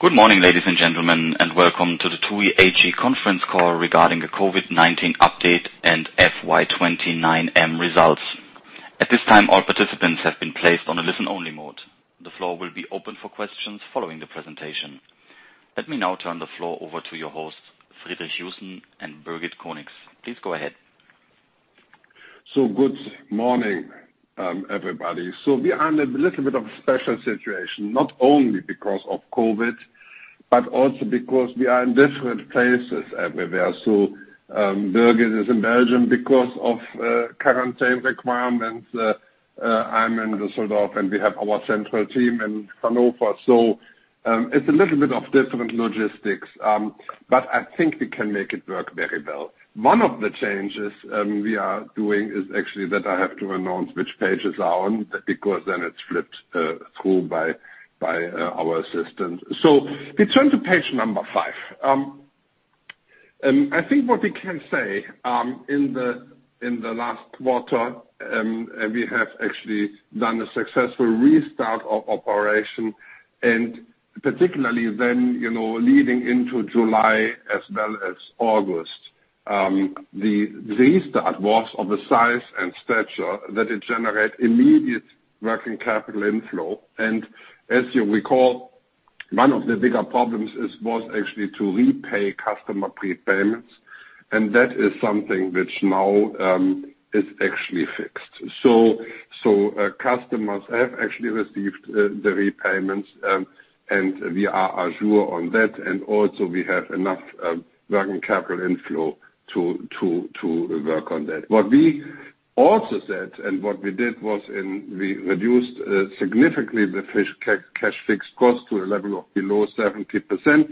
Good morning, ladies and gentlemen, and welcome to the TUI AG conference call regarding the COVID-19 update and FY 2020 9M results. At this time, all participants have been placed on a listen-only mode. The floor will be open for questions following the presentation. Let me now turn the floor over to your hosts, Fritz Joussen and Birgit Conix. Please go ahead. Good morning, everybody. We are in a little bit of a special situation, not only because of COVID, but also because we are in different places everywhere. Birgit is in Belgium because of quarantine requirements. I'm in Düsseldorf, and we have our central team in Hanover. It's a little bit of different logistics, but I think we can make it work very well. One of the changes we are doing is actually that I have to announce which pages are on, because then it's flipped through by our assistant. We turn to page number five. I think what we can say, in the last quarter, we have actually done a successful restart of operation, and particularly then leading into July as well as August. The restart was of a size and stature that it generate immediate working capital inflow. As you recall, one of the bigger problems was actually to repay customer prepayments, and that is something which now is actually fixed. Customers have actually received the repayments, and we are assured on that. Also we have enough working capital inflow to work on that. What we also said and what we did was we reduced significantly the cash fixed cost to a level of below 70%.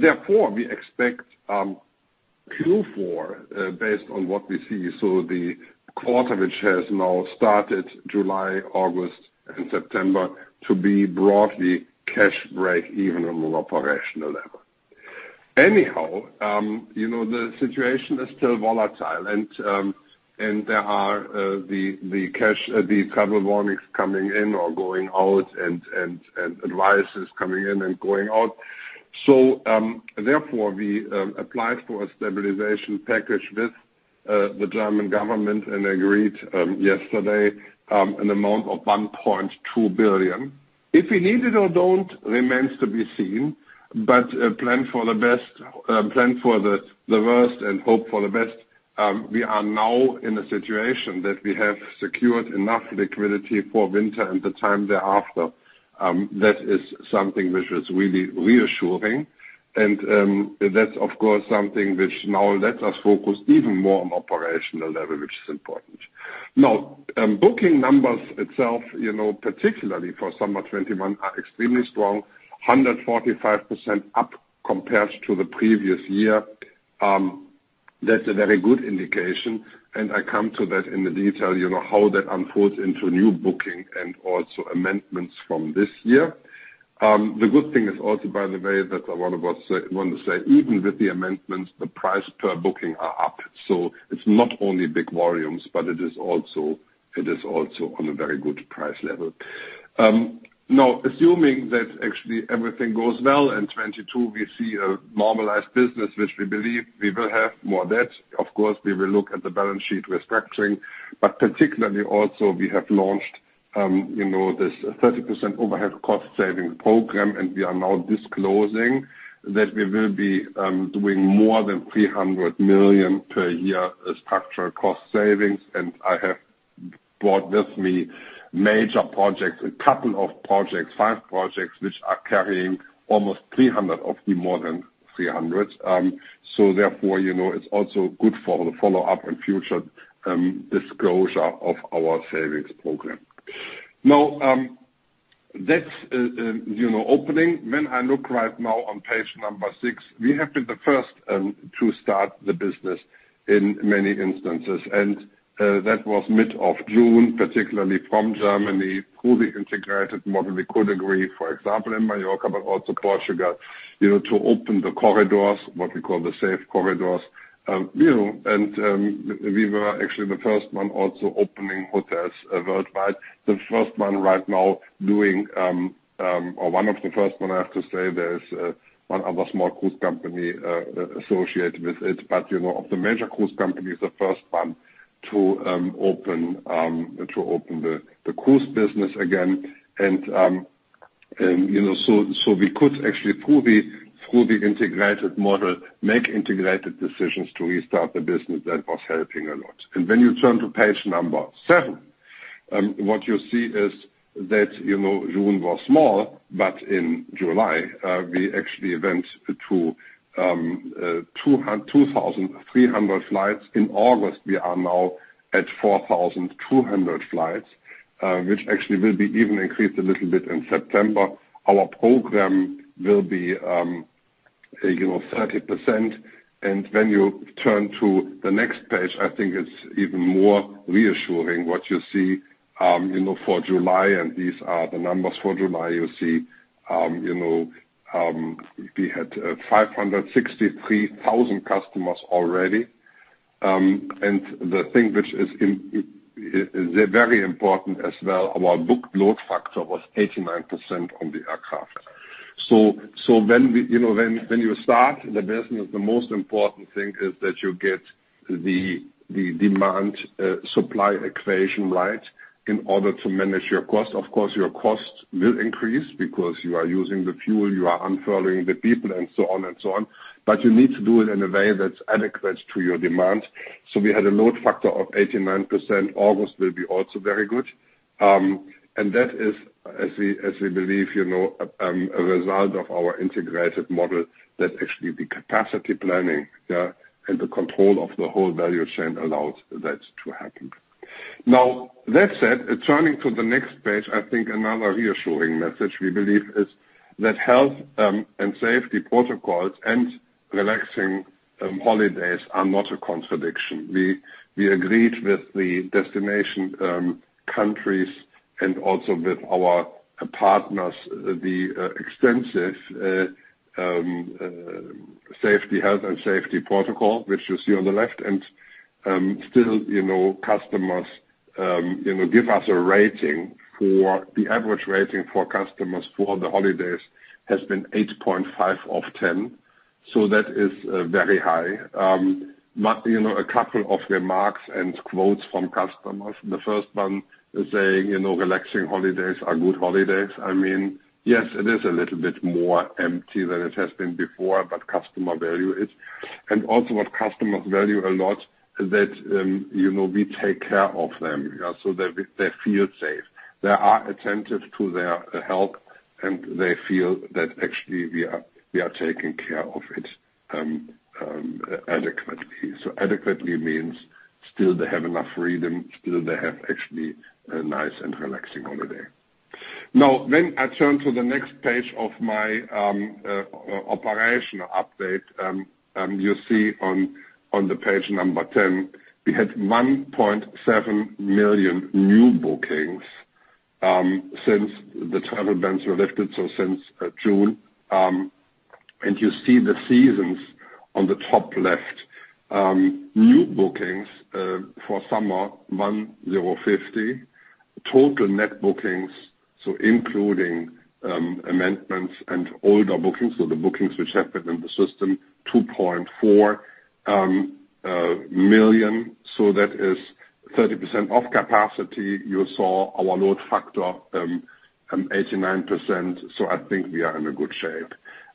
Therefore, we expect Q4 based on what we see. The quarter which has now started July, August, and September to be broadly cash break-even on operational level. Anyhow, the situation is still volatile and there are the travel warnings coming in or going out and advices coming in and going out. Therefore, we applied for a stabilization package with the German government and agreed yesterday an amount of 1.2 billion. If we need it or don't remains to be seen. Plan for the worst and hope for the best. We are now in a situation that we have secured enough liquidity for winter and the time thereafter. That is something which is really reassuring, and that's of course, something which now lets us focus even more on operational level, which is important. Booking numbers itself, particularly for summer 2021, are extremely strong, 145% up compared to the previous year. That's a very good indication, and I come to that in the detail, how that unfolds into new booking and also amendments from this year. The good thing is also, by the way, that I want to say, even with the amendments, the price per booking are up. It's not only big volumes, but it is also on a very good price level. Assuming that actually everything goes well in 2022, we see a normalized business, which we believe we will have more debt. Of course, we will look at the balance sheet restructuring. Particularly also we have launched this 30% overhead cost-saving program, and we are now disclosing that we will be doing more than 300 million per year structural cost savings. I have brought with me major projects, a couple of projects, five projects, which are carrying almost 300 million of the more than 300 million. Therefore, it's also good for the follow-up and future disclosure of our savings program. That's opening. When I look right now on page number six, we have been the first to start the business in many instances. That was mid of June, particularly from Germany through the integrated model we could agree, for example, in Mallorca, but also Portugal, to open the corridors, what we call the safe corridors. We were actually the first one also opening hotels worldwide. The first one right now doing, or one of the first one, I have to say there is one other small cruise company associated with it. Of the major cruise companies, the first one to open the cruise business again. We could actually through the integrated model, make integrated decisions to restart the business that was helping a lot. When you turn to page number seven, what you see is that June was small, but in July, we actually went to 2,300 flights. In August, we are now at 4,200 flights, which actually will be even increased a little bit in September. Our program will be 30%. When you turn to the next page, I think it's even more reassuring what you see for July, and these are the numbers for July. You see we had 563,000 customers already. The thing which is very important as well, our book load factor was 89% on the aircraft. When you start the business, the most important thing is that you get the demand supply equation right in order to manage your cost. Of course, your cost will increase because you are using the fuel, you are unfurling the people and so on. You need to do it in a way that's adequate to your demand. We had a load factor of 89%. August will be also very good. That is, as we believe, a result of our integrated model that actually the capacity planning and the control of the whole value chain allows that to happen. Now, that said, turning to the next page, I think another reassuring message we believe is that health and safety protocols and relaxing holidays are not a contradiction. We agreed with the destination countries and also with our partners, the extensive health and safety protocol, which you see on the left. Still, customers give us a rating for the average rating for customers for the holidays has been 8.5 of 10, so that is very high. A couple of remarks and quotes from customers. The first one is saying, relaxing holidays are good holidays. I mean, yes, it is a little bit more empty than it has been before, but what customers value a lot that we take care of them, so that they feel safe. They are attentive to their health, and they feel that actually we are taking care of it adequately. Adequately means still they have enough freedom, still they have actually a nice and relaxing holiday. When I turn to the next page of my operational update, you see on the page 10, we had 1.7 million new bookings since the travel bans were lifted, since June. You see the seasons on the top left. New bookings for summer, 1.050. Total net bookings, so including amendments and older bookings, so the bookings which have been in the system, 2.4 million. That is 30% of capacity. You saw our load factor, 89%. I think we are in a good shape.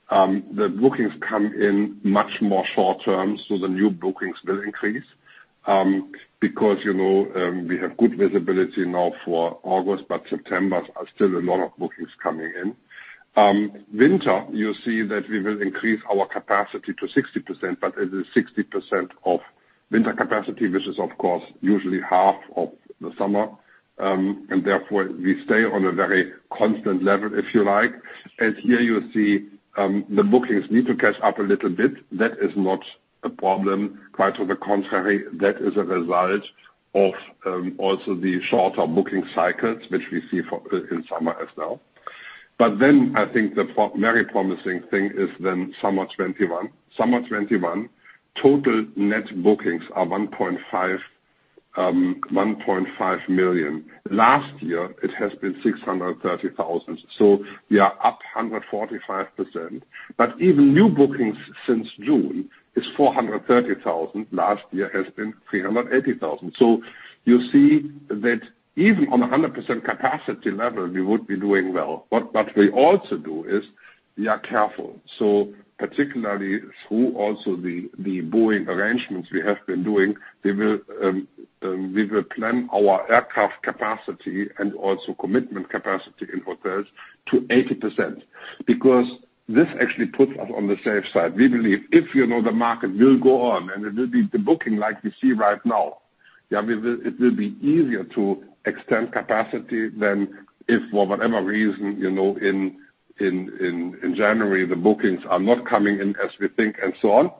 The bookings come in much more short term, so the new bookings will increase, because we have good visibility now for August, but September are still a lot of bookings coming in. Winter, you see that we will increase our capacity to 60%, but it is 60% of winter capacity, which is, of course, usually half of the summer. Therefore, we stay on a very constant level, if you like. Here you see the bookings need to catch up a little bit. That is not a problem. Quite on the contrary, that is a result of also the shorter booking cycles, which we see in summer as well. I think the very promising thing is then summer 2021. Summer 2021 total net bookings are 1.5 million. Last year, it has been 630,000. We are up 145%. Even new bookings since June is 430,000. Last year has been 380,000. You see that even on 100% capacity level, we would be doing well. What we also do is we are careful. Particularly through also the Boeing arrangements we have been doing, we will plan our aircraft capacity and also commitment capacity in hotels to 80%, because this actually puts us on the safe side. We believe if the market will go on and it will be the booking like we see right now, it will be easier to extend capacity than if for whatever reason, in January, the bookings are not coming in as we think and so on.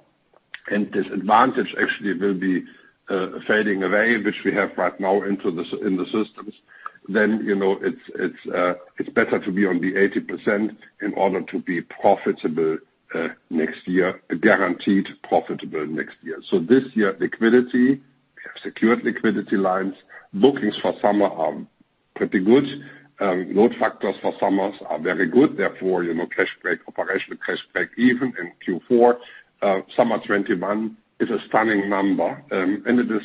This advantage actually will be fading away, which we have right now in the systems. It's better to be on the 80% in order to be profitable next year, guaranteed profitable next year. This year, liquidity. We have secured liquidity lines. Bookings for summer are pretty good. Load factors for summers are very good. Operational cash break even in Q4. Summer 2021 is a stunning number. It is,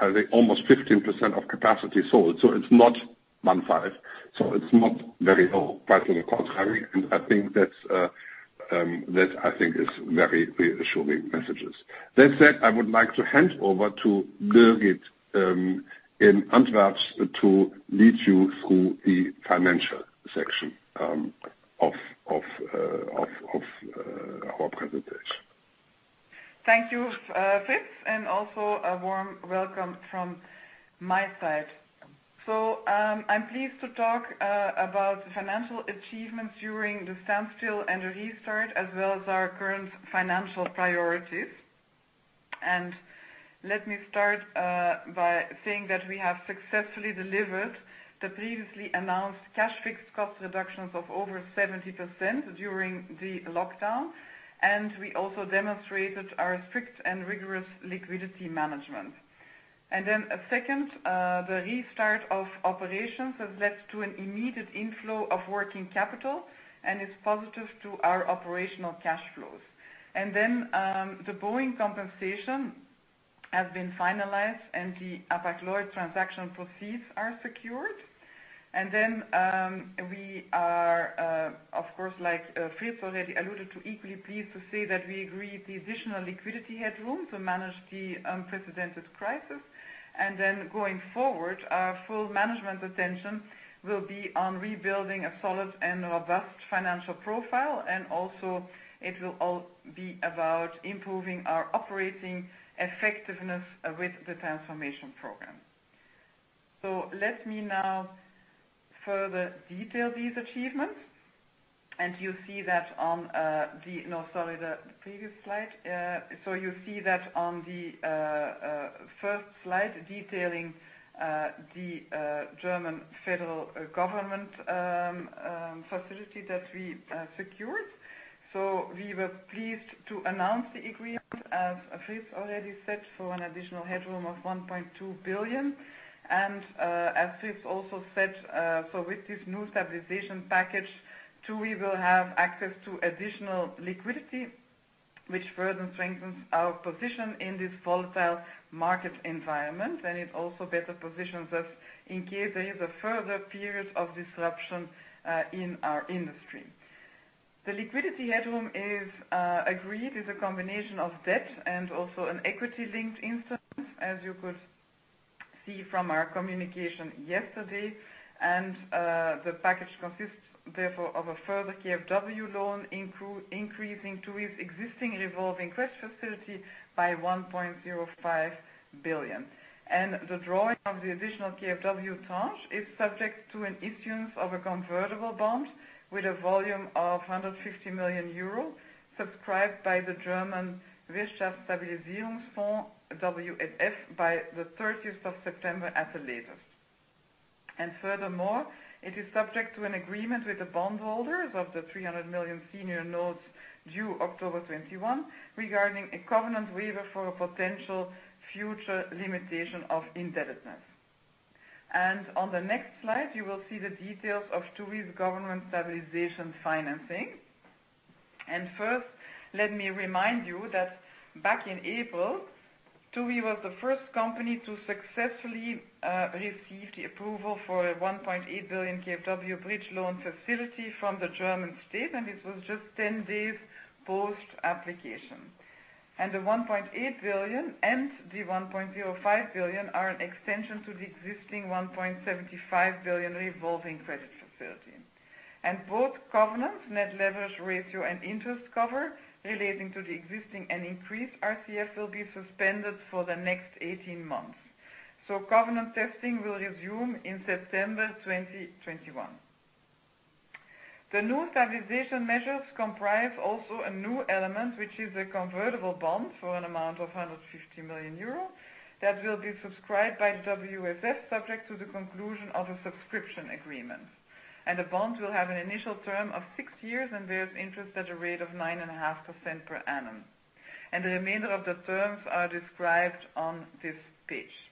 I think, almost 15% of capacity sold. It's not 1.5. It's not very low. Quite on the contrary, that, I think, is very reassuring messages. That said, I would like to hand over to Birgit in Antwerp to lead you through the financial section of our presentation. Thank you, Fritz, and also a warm welcome from my side. I'm pleased to talk about the financial achievements during the standstill and the restart, as well as our current financial priorities. Let me start by saying that we have successfully delivered the previously announced cash fixed cost reductions of over 70% during the lockdown, and we also demonstrated our strict and rigorous liquidity management. Second, the restart of operations has led to an immediate inflow of working capital and is positive to our operational cash flows. The Boeing compensation has been finalized and the Hapag-Lloyd transaction proceeds are secured. We are, of course, like Fritz already alluded to, equally pleased to say that we agreed the additional liquidity headroom to manage the unprecedented crisis. Going forward, our full management attention will be on rebuilding a solid and robust financial profile, and also it will all be about improving our operating effectiveness with the Transformation Program. Let me now further detail these achievements. You see that on the previous slide. You see that on the first slide detailing the German federal government facility that we secured. We were pleased to announce the agreement, as Fritz already said, for an additional headroom of 1.2 billion. As Fritz also said, with this new stabilization package, TUI will have access to additional liquidity, which further strengthens our position in this volatile market environment, and it also better positions us in case there is a further period of disruption in our industry. The liquidity headroom is agreed as a combination of debt and also an equity-linked instrument, as you could see from our communication yesterday. The package consists, therefore, of a further KfW loan, increasing TUI's existing revolving credit facility by 1.05 billion. The drawing of the additional KfW tranche is subject to an issuance of a convertible bond with a volume of 150 million euro, subscribed by the German Wirtschaftsstabilisierungsfonds, WSF, by the September 30th, 2020 at the latest. Furthermore, it is subject to an agreement with the bondholders of the 300 million senior notes due October 2021 regarding a covenant waiver for a potential future limitation of indebtedness. On the next slide, you will see the details of TUI's government stabilization financing. First, let me remind you that back in April, TUI was the first company to successfully receive the approval for a 1.8 billion KfW bridge-loan facility from the German state, and this was just 10 days post application. The 1.8 billion and the 1.05 billion are an extension to the existing 1.75 billion revolving credit facility. Both covenant net leverage ratio and interest cover relating to the existing and increased RCF will be suspended for the next 18 months. Covenant testing will resume in September 2021. The new stabilization measures comprise also a new element, which is a convertible bond for an amount of 150 million euro that will be subscribed by WSF subject to the conclusion of a subscription agreement. The bond will have an initial term of six years, and bears interest at a rate of 9.5% per annum. The remainder of the terms are described on this page.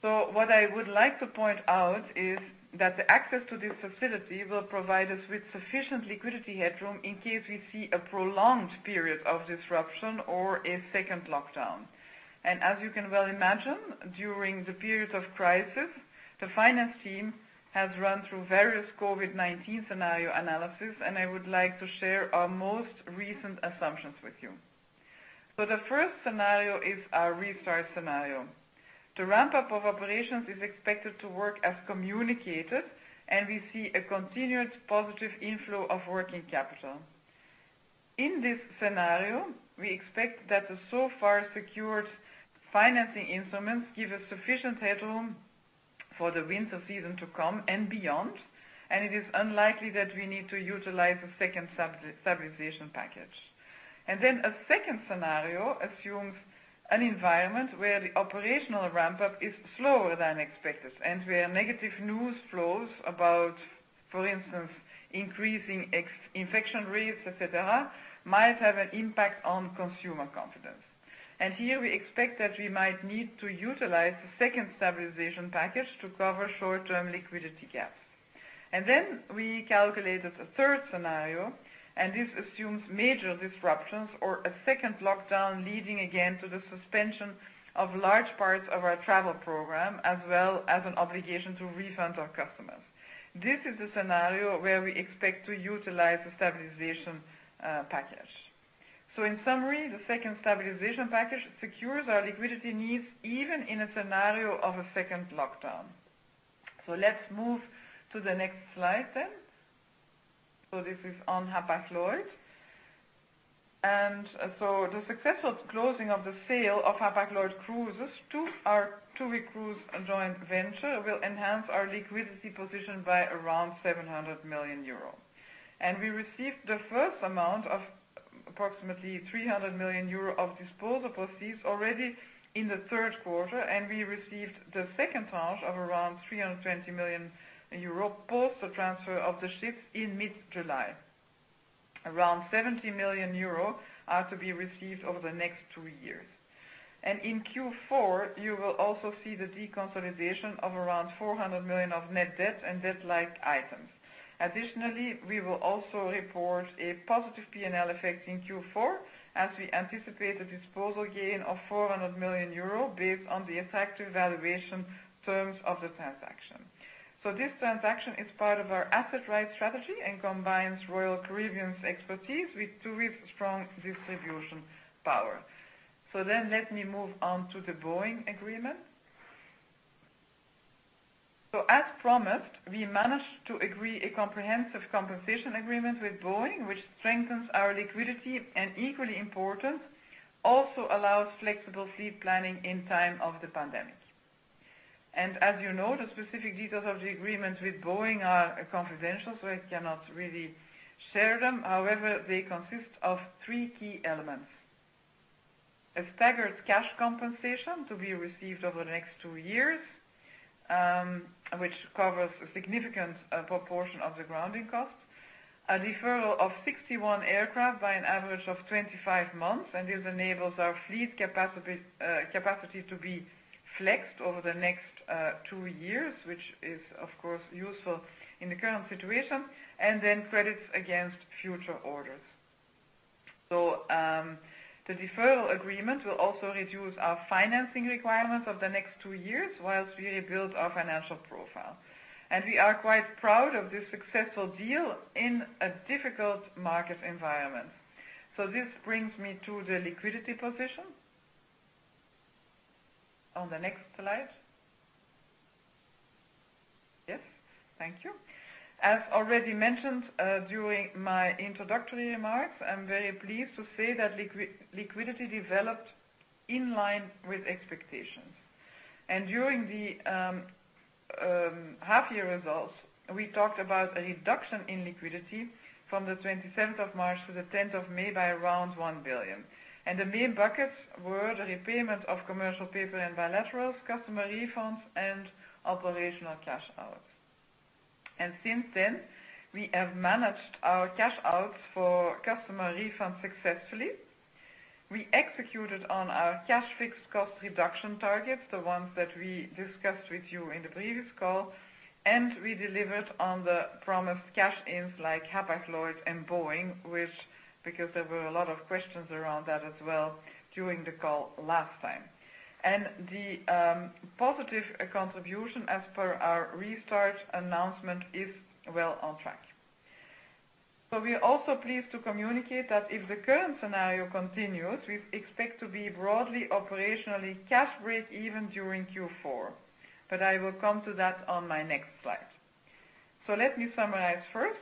What I would like to point out is that the access to this facility will provide us with sufficient liquidity headroom in case we see a prolonged period of disruption or a second lockdown. As you can well imagine, during the period of crisis, the finance team has run through various COVID-19 scenario analysis, and I would like to share our most recent assumptions with you. The first scenario is our restart scenario. The ramp-up of operations is expected to work as communicated, and we see a continued positive inflow of working capital. In this scenario, we expect that the so far secured financing instruments give us sufficient headroom for the winter season to come and beyond, and it is unlikely that we need to utilize a second stabilization package. A second scenario assumes an environment where the operational ramp-up is slower than expected, and where negative news flows about, for instance, increasing infection rates, et cetera, might have an impact on consumer confidence. Here we expect that we might need to utilize the second stabilization package to cover short-term liquidity gaps. We calculated a third scenario. This assumes major disruptions or a second lockdown, leading again to the suspension of large parts of our travel program, as well as an obligation to refund our customers. This is a scenario where we expect to utilize the stabilization package. In summary, the second stabilization package secures our liquidity needs even in a scenario of a second lockdown. Let's move to the next slide then. This is on Hapag-Lloyd. The successful closing of the sale of Hapag-Lloyd Cruises to our TUI Cruise joint venture will enhance our liquidity position by around 700 million euro. We received the first amount of approximately 300 million euro of disposal proceeds already in the third quarter, and we received the second tranche of around 320 million euro post the transfer of the ships in mid-July. Around 70 million euro are to be received over the next two years. In Q4, you will also see the deconsolidation of around 400 million of net debt and debt-like items. Additionally, we will also report a positive P&L effect in Q4 as we anticipate a disposal gain of 400 million euro based on the effective valuation terms of the transaction. This transaction is part of our asset right strategy and combines Royal Caribbean's expertise with TUI's strong distribution power. Let me move on to the Boeing agreement. As promised, we managed to agree a comprehensive compensation agreement with Boeing, which strengthens our liquidity and, equally important, also allows flexible fleet planning in time of the pandemic. As you know, the specific details of the agreement with Boeing are confidential, so I cannot really share them. However, they consist of three key elements. A staggered cash compensation to be received over the next two years, which covers a significant proportion of the grounding cost. A deferral of 61 aircraft by an average of 25 months, and this enables our fleet capacity to be flexed over the next two years, which is, of course, useful in the current situation. Credits against future orders. The deferral agreement will also reduce our financing requirements of the next two years whilst we rebuild our financial profile. We are quite proud of this successful deal in a difficult market environment. This brings me to the liquidity position on the next slide. Yes, thank you. As already mentioned, during my introductory remarks, I'm very pleased to say that liquidity developed in line with expectations. During the half-year results, we talked about a reduction in liquidity from the March 27th, 2020 to the May 10th, 2020 by around 1 billion. The main buckets were the repayment of commercial paper and bilaterals, customer refunds, and operational cash out. Since then, we have managed our cash outs for customer refunds successfully. We executed on our cash fixed cost reduction targets, the ones that we discussed with you in the previous call, and we delivered on the promised cash-ins like Hapag-Lloyd and Boeing, because there were a lot of questions around that as well during the call last time. The positive contribution as per our restart announcement is well on track. We are also pleased to communicate that if the current scenario continues, we expect to be broadly operationally cash break-even during Q4. I will come to that on my next slide. Let me summarize first.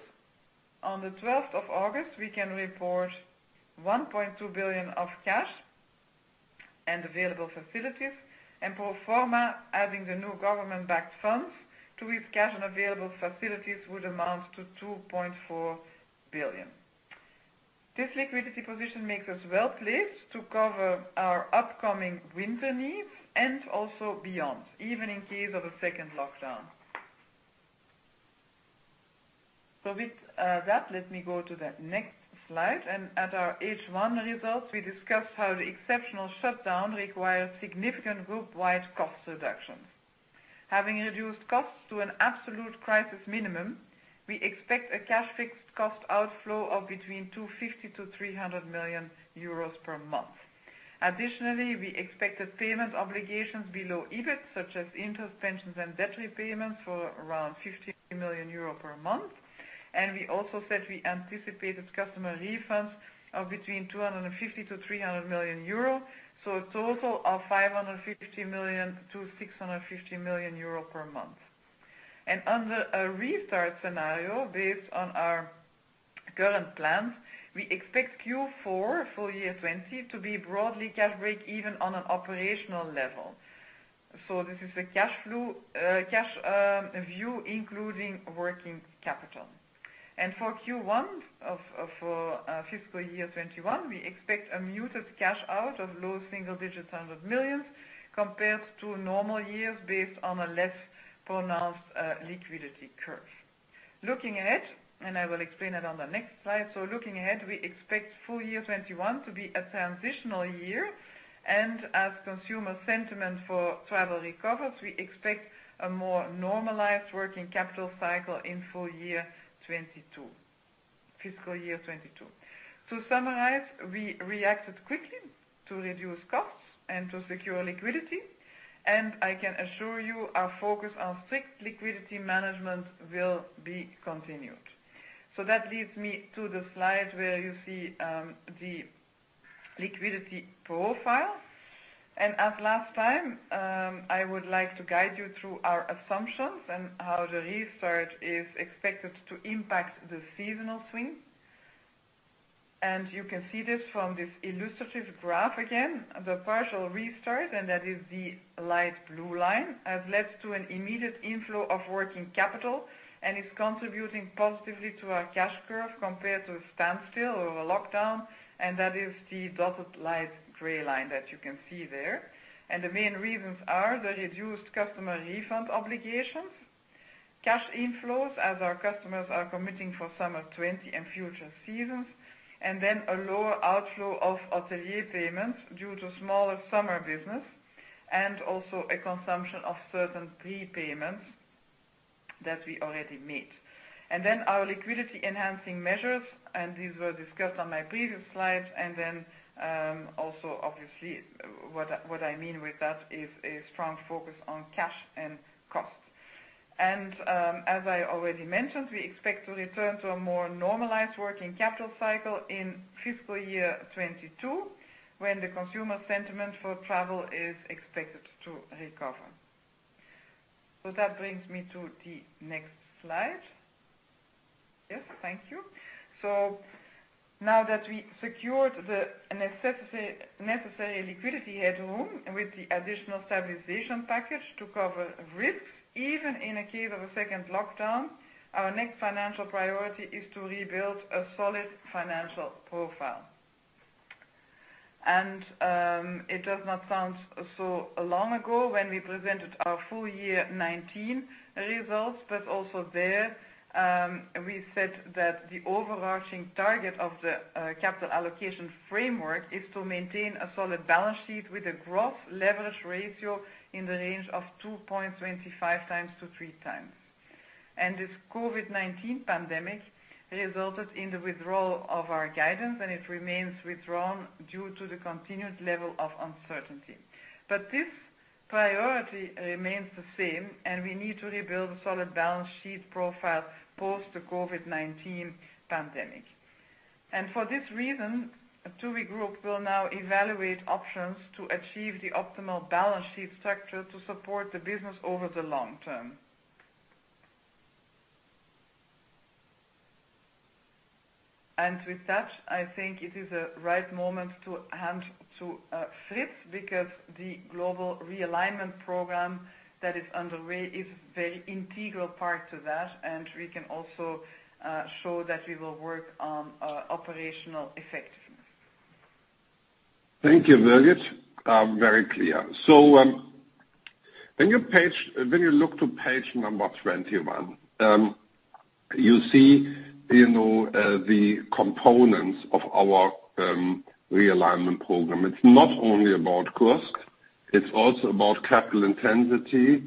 On the August 12th, 2020 we can report 1.2 billion of cash and available facilities, and pro forma, adding the new government-backed funds to with cash and available facilities would amount to 2.4 billion. This liquidity position makes us well-placed to cover our upcoming winter needs and also beyond, even in case of a second lockdown. With that, let me go to the next slide. At our H1 results, we discussed how the exceptional shutdown required significant group-wide cost reductions. Having reduced costs to an absolute crisis minimum, we expect a cash fixed cost outflow of between 250 million-300 million euros per month. Additionally, we expected payment obligations below EBIT, such as interest, pensions, and debt repayments for around 50 million euro per month. We also said we anticipated customer refunds of between 250 million-300 million euro, a total of 550 million-650 million euro per month. Under a restart scenario based on our current plans, we expect Q4 full year 2020 to be broadly cash break-even on an operational level. This is the cash view, including working capital. For Q1 of fiscal year 2021, we expect a muted cash out of low single digits, 100 millions, compared to normal years based on a less pronounced liquidity curve. Looking ahead, I will explain it on the next slide. Looking ahead, we expect full year 2021 to be a transitional year. As consumer sentiment for travel recovers, we expect a more normalized working capital cycle in fiscal year 2022. To summarize, we reacted quickly to reduce costs and to secure liquidity, and I can assure you, our focus on strict liquidity management will be continued. That leads me to the slide where you see the liquidity profile. As last time, I would like to guide you through our assumptions and how the results is expected to impact the seasonal swing. You can see this from this illustrative graph again, the partial restart, and that is the light blue line, has led to an immediate inflow of working capital and is contributing positively to our cash curve compared to a standstill or a lockdown, and that is the dotted light gray line that you can see there. The main reasons are the reduced customer refund obligations, cash inflows as our customers are committing for summer 2020 and future seasons, and then a lower outflow of hotelier payments due to smaller summer business, and also a consumption of certain prepayments that we already made. Our liquidity enhancing measures, and these were discussed on my previous slides. Obviously, what I mean with that is a strong focus on cash and cost. As I already mentioned, we expect to return to a more normalized working capital cycle in fiscal year 2022, when the consumer sentiment for travel is expected to recover. That brings me to the next slide. Yes, thank you. Now that we secured the necessary liquidity headroom with the additional stabilization package to cover risks, even in a case of a second lockdown, our next financial priority is to rebuild a solid financial profile. It does not sound so long ago when we presented our full year 2019 results, but also there, we said that the overarching target of the capital allocation framework is to maintain a solid balance sheet with a gross leverage ratio in the range of 2.25x-3x. This COVID-19 pandemic resulted in the withdrawal of our guidance, and it remains withdrawn due to the continued level of uncertainty. This priority remains the same, and we need to rebuild a solid balance sheet profile post the COVID-19 pandemic. For this reason, TUI Group will now evaluate options to achieve the optimal balance sheet structure to support the business over the long term. With that, I think it is the right moment to hand to Fritz, because the Global Realignment Program that is underway is very integral part to that, and we can also show that we will work on operational effectiveness. Thank you, Birgit. Very clear. When you look to page number 21, you see the components of our realignment program. It's not only about cost, it's also about capital intensity,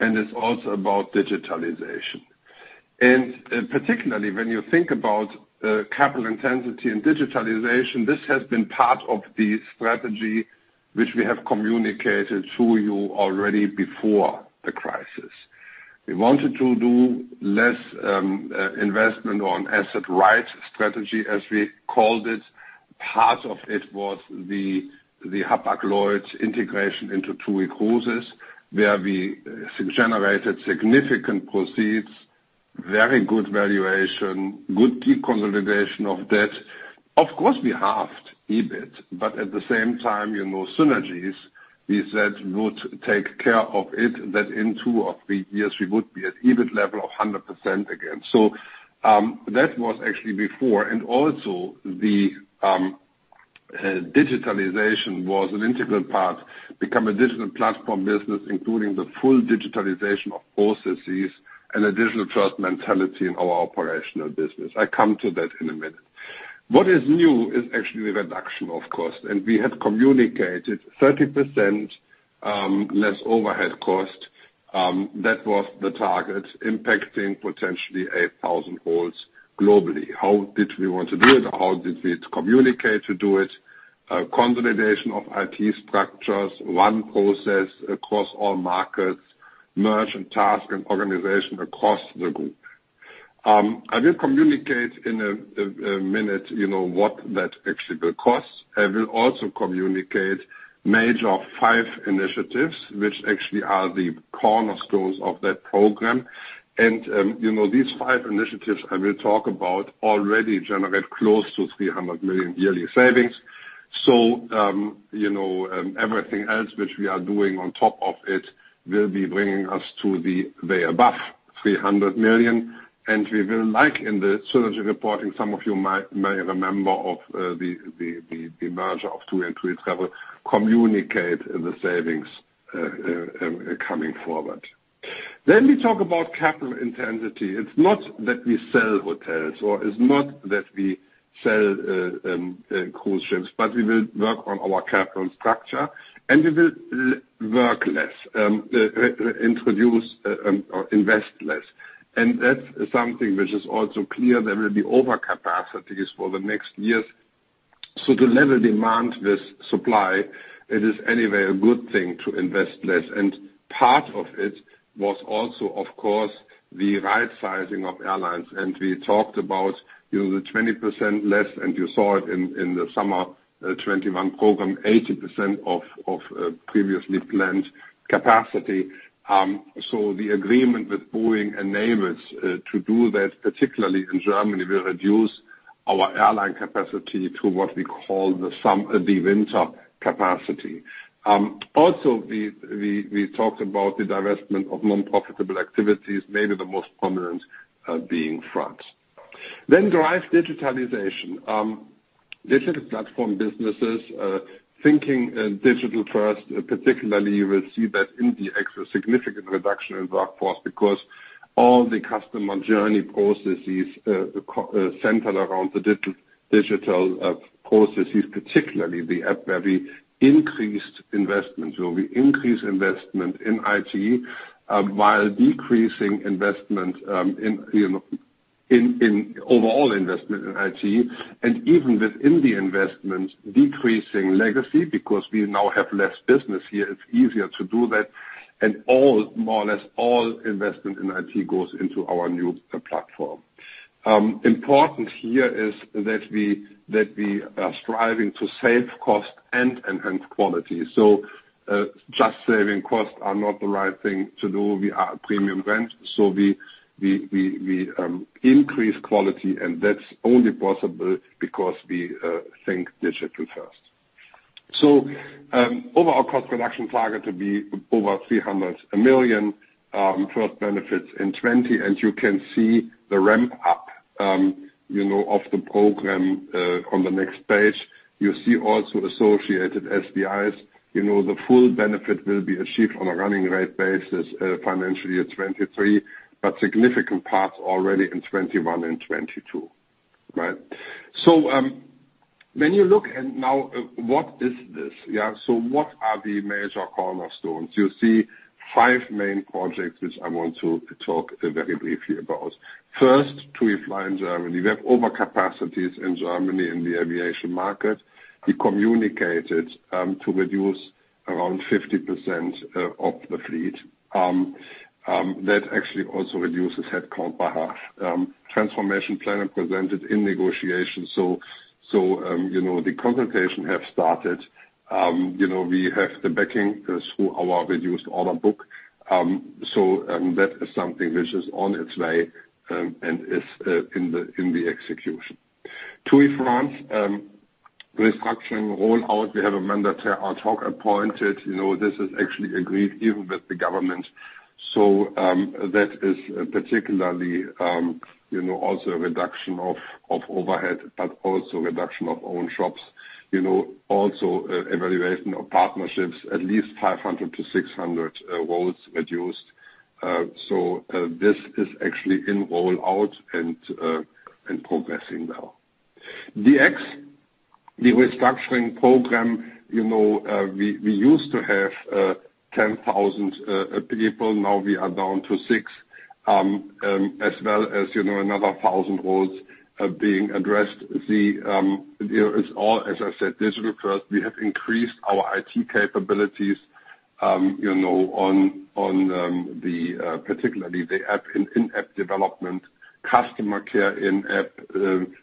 and it's also about digitalization. Particularly when you think about capital intensity and digitalization, this has been part of the strategy which we have communicated to you already before the crisis. We wanted to do less investment on asset right strategy, as we called it. Part of it was the Hapag-Lloyd integration into TUI Cruises, where we generated significant proceeds, very good valuation, good deconsolidation of debt. Of course, we halved EBIT, but at the same time, synergies, we said would take care of it, that in two or three years, we would be at EBIT level of 100% again. That was actually before. Also, the digitalization was an integral part, become a digital platform business, including the full digitalization of processes and a digital-first mentality in our operational business. I come to that in a minute. What is new is actually the reduction of cost, and we have communicated 30% less overhead cost. That was the target, impacting potentially 8,000 roles globally. How did we want to do it? How did we communicate to do it? Consolidation of IT structures, one process across all markets, merge and task and organization across the group. I will communicate in a minute what that actually will cost. I will also communicate major five initiatives, which actually are the cornerstones of that program. These five initiatives I will talk about already generate close to 300 million yearly savings. Everything else which we are doing on top of it will be bringing us to the way above 300 million. We will, like in the synergy report, and some of you might remember of the merger of TUI and TUI Travel, communicate the savings coming forward. We talk about capital intensity. It's not that we sell hotels, or it's not that we sell cruise ships, but we will work on our capital structure, and we will work less, introduce or invest less. That's something which is also clear. There will be over capacities for the next years. To level demand with supply, it is anyway a good thing to invest less. Part of it was also, of course, the right sizing of airlines. We talked about the 20% less, and you saw it in the summer 2021 program, 80% of previously planned capacity. The agreement with Boeing enables to do that, particularly in Germany, we reduce our airline capacity to what we call the winter capacity. We talked about the divestment of non-profitable activities, maybe the most prominent being France. Drive digitalization. Digital platform businesses thinking digital first, particularly you will see that in the extra significant reduction in workforce because all the customer journey processes, centered around the digital processes, particularly the app where we increased investment. We increase investment in IT while decreasing overall investment in IT, and even within the investment, decreasing legacy because we now have less business here, it's easier to do that. More or less all investment in IT goes into our new platform. Important here is that we are striving to save cost and enhance quality. Just saving costs are not the right thing to do. We are a premium brand, we increase quality, and that's only possible because we think digital first. Overall cost reduction target to be over 300 million first benefits in 2020. You can see the ramp-up of the program on the next page. You see also associated SBIs. The full benefit will be achieved on a running rate basis financial year 2023, but significant parts already in 2021 and 2022. When you look at now, what is this? What are the major cornerstones? You see five main projects, which I want to talk very briefly about. First, TUI fly in Germany. We have overcapacities in Germany in the aviation market. We communicated to reduce around 50% of the fleet. That actually also reduces headcount by half. Transformation plan presented in negotiations. The consultation have started. We have the backing through our reduced order book. That is something which is on its way, and is in the execution. TUI France restructuring rollout, we have a mandataire ad hoc appointed. This is actually agreed even with the government. That is particularly, also a reduction of overhead, but also reduction of own shops. Also, evaluation of partnerships, at least 500-600 roles reduced. This is actually in rollout and progressing now. DX, the restructuring program, we used to have 10,000 people, now we are down to six. As well as another 1,000 roles are being addressed. It's all, as I said, digital first. We have increased our IT capabilities, particularly the in-app development, customer care in-app,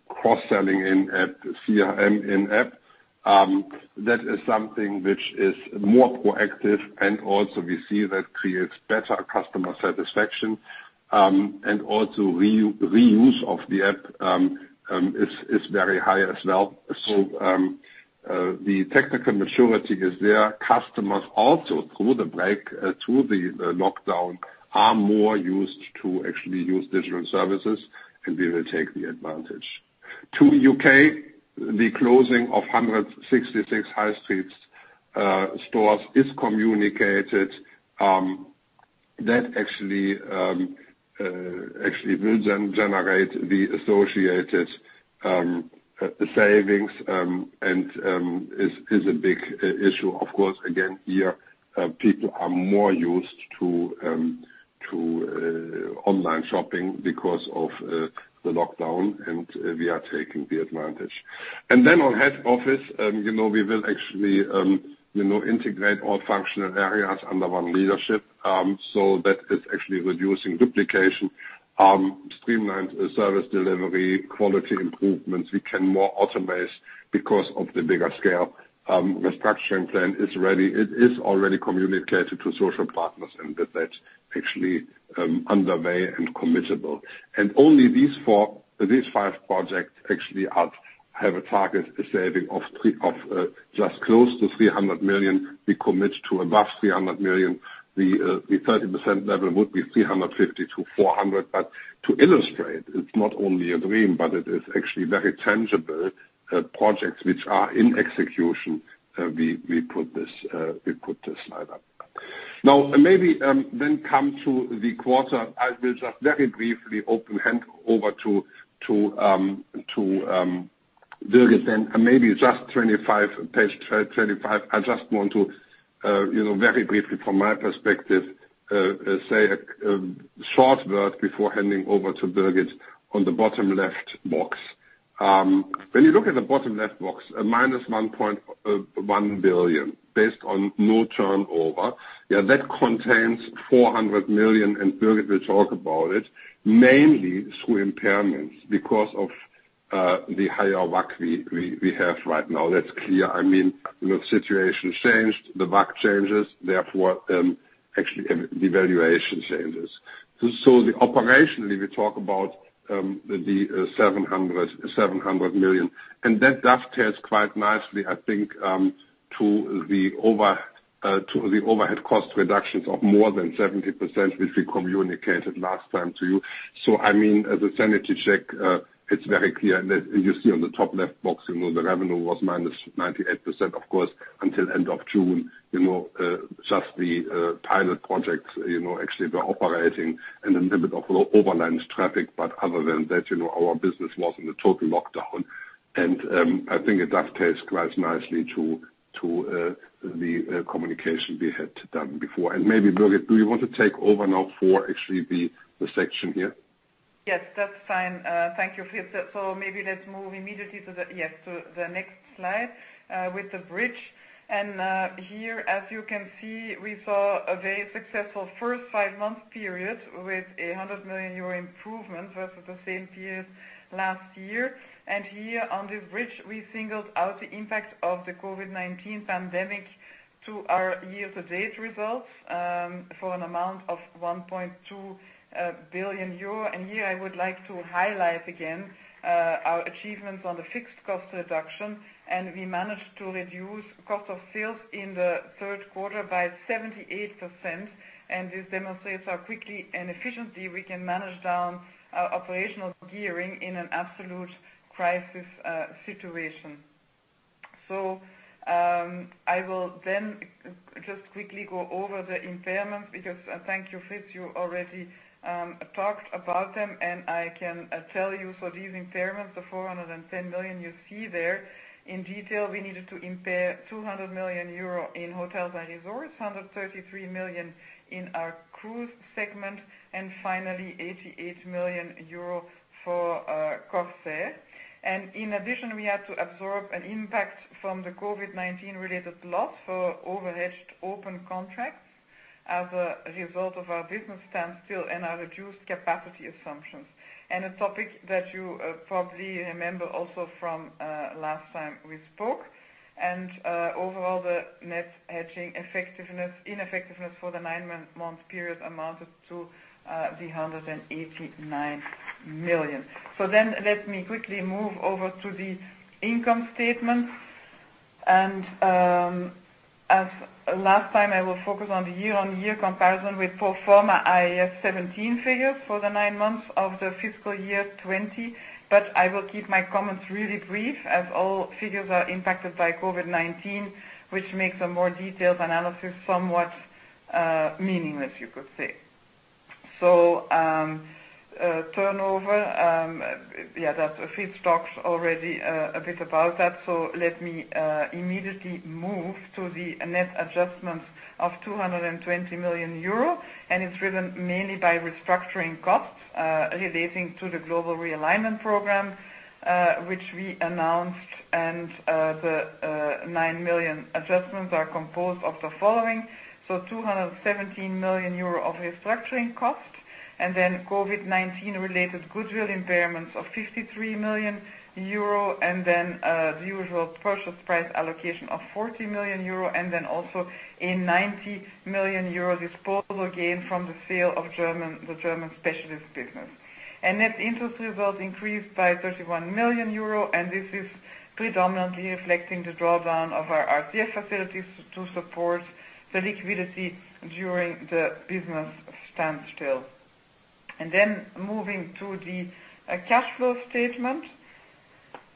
cross-selling in-app, CRM in-app. That is something which is more proactive and also we see that creates better customer satisfaction. Also reuse of the app is very high as well. The technical maturity is there. Customers also, through the lockdown, are more used to actually use digital services, and we will take the advantage. TUI UK, the closing of 166 high street stores is communicated. That actually will then generate the associated savings, and is a big issue. Of course, again, here, people are more used to online shopping because of the lockdown, and we are taking the advantage. On head office, we will actually integrate all functional areas under one leadership. That is actually reducing duplication, streamlined service delivery, quality improvements. We can more automize because of the bigger scale. Restructuring plan is ready. It is already communicated to social partners and that's actually underway and committable. Only these five projects actually have a target saving of just close to 300 million. We commit to above 300 million. The 30% level would be 350 million-400 million. To illustrate, it's not only a dream, but it is actually very tangible projects which are in execution, we put this slide up. Maybe come to the quarter. I will just very briefly open hand over to Birgit, maybe just page 25. I just want to very briefly from my perspective, say a short word before handing over to Birgit on the bottom left box. When you look at the bottom left box, a -1 billion based on no turnover. That contains 400 million, Birgit will talk about it, mainly through impairments because of the higher WACC we have right now. That's clear. I mean, the situation changed, the WACC changes, therefore, actually the valuation changes. Operationally, we talk about the 700 million. That dovetails quite nicely, I think, to the overhead cost reductions of more than 70%, which we communicated last time to you. As a sanity check, it's very clear that you see on the top left box, the revenue was minus 98%, of course, until end of June. Just the pilot projects, actually were operating in a limit of airlines traffic. Other than that, our business was in the total lockdown. I think it dovetails quite nicely to the communication we had done before. Maybe Birgit, do you want to take over now for actually the section here? Yes, that's fine. Thank you, Fritz. Maybe let's move immediately to the next slide with the bridge. Here, as you can see, we saw a very successful first five-month period with a 100 million euro improvement versus the same period last year. Here, on this bridge, we singled out the impact of the COVID-19 pandemic to our year-to-date results, for an amount of 1.2 billion euro. Here I would like to highlight again, our achievements on the fixed cost reduction. We managed to reduce cost of sales in the third quarter by 78%. This demonstrates how quickly and efficiently we can manage down our operational gearing in an absolute crisis situation. I will then just quickly go over the impairment because thank you, Fritz, you already talked about them. I can tell you for these impairments, the 410 million you see there, in detail, we needed to impair 200 million euro in hotels and resorts, 133 million in our cruise segment, and finally, 88 million euro for Corsair. In addition, we had to absorb an impact from the COVID-19 related loss for overhedged open contracts as a result of our business standstill and our reduced capacity assumptions. A topic that you probably remember also from last time we spoke, overall the net hedging ineffectiveness for the nine-month period amounted to the 189 million. Let me quickly move over to the income statement. As last time, I will focus on the year-on-year comparison with pro forma IFRS 17 figures for the nine months of the fiscal year 2020. I will keep my comments really brief as all figures are impacted by COVID-19, which makes a more detailed analysis somewhat meaningless, you could say. Turnover, yeah, Fritz talked already a bit about that. Let me immediately move to the net adjustments of 220 million euro. It's driven mainly by restructuring costs relating to the Global Realignment Program, which we announced. The nine-million adjustments are composed of the following: 217 million euro of restructuring costs, COVID-19 related goodwill impairments of 53 million euro, the usual purchase price allocation of 40 million euro, and also a 90 million euro disposal gain from the sale of the German specialist business. Net interest results increased by 31 million euro, and this is predominantly reflecting the drawdown of our RCF facilities to support the liquidity during the business standstill. Moving to the cash flow statement,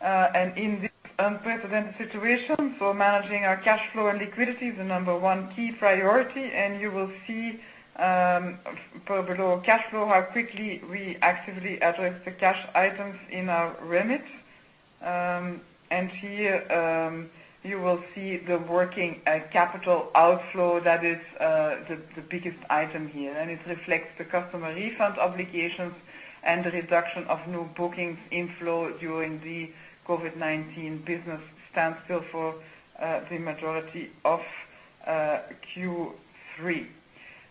in this unprecedented situation, managing our cash flow and liquidity is the number one key priority. You will see per below cash flow, how quickly we actively address the cash items in our remit. Here you will see the working capital outflow that is the biggest item here. It reflects the customer refund obligations and the reduction of new bookings inflow during the COVID-19 business standstill for the majority of Q3.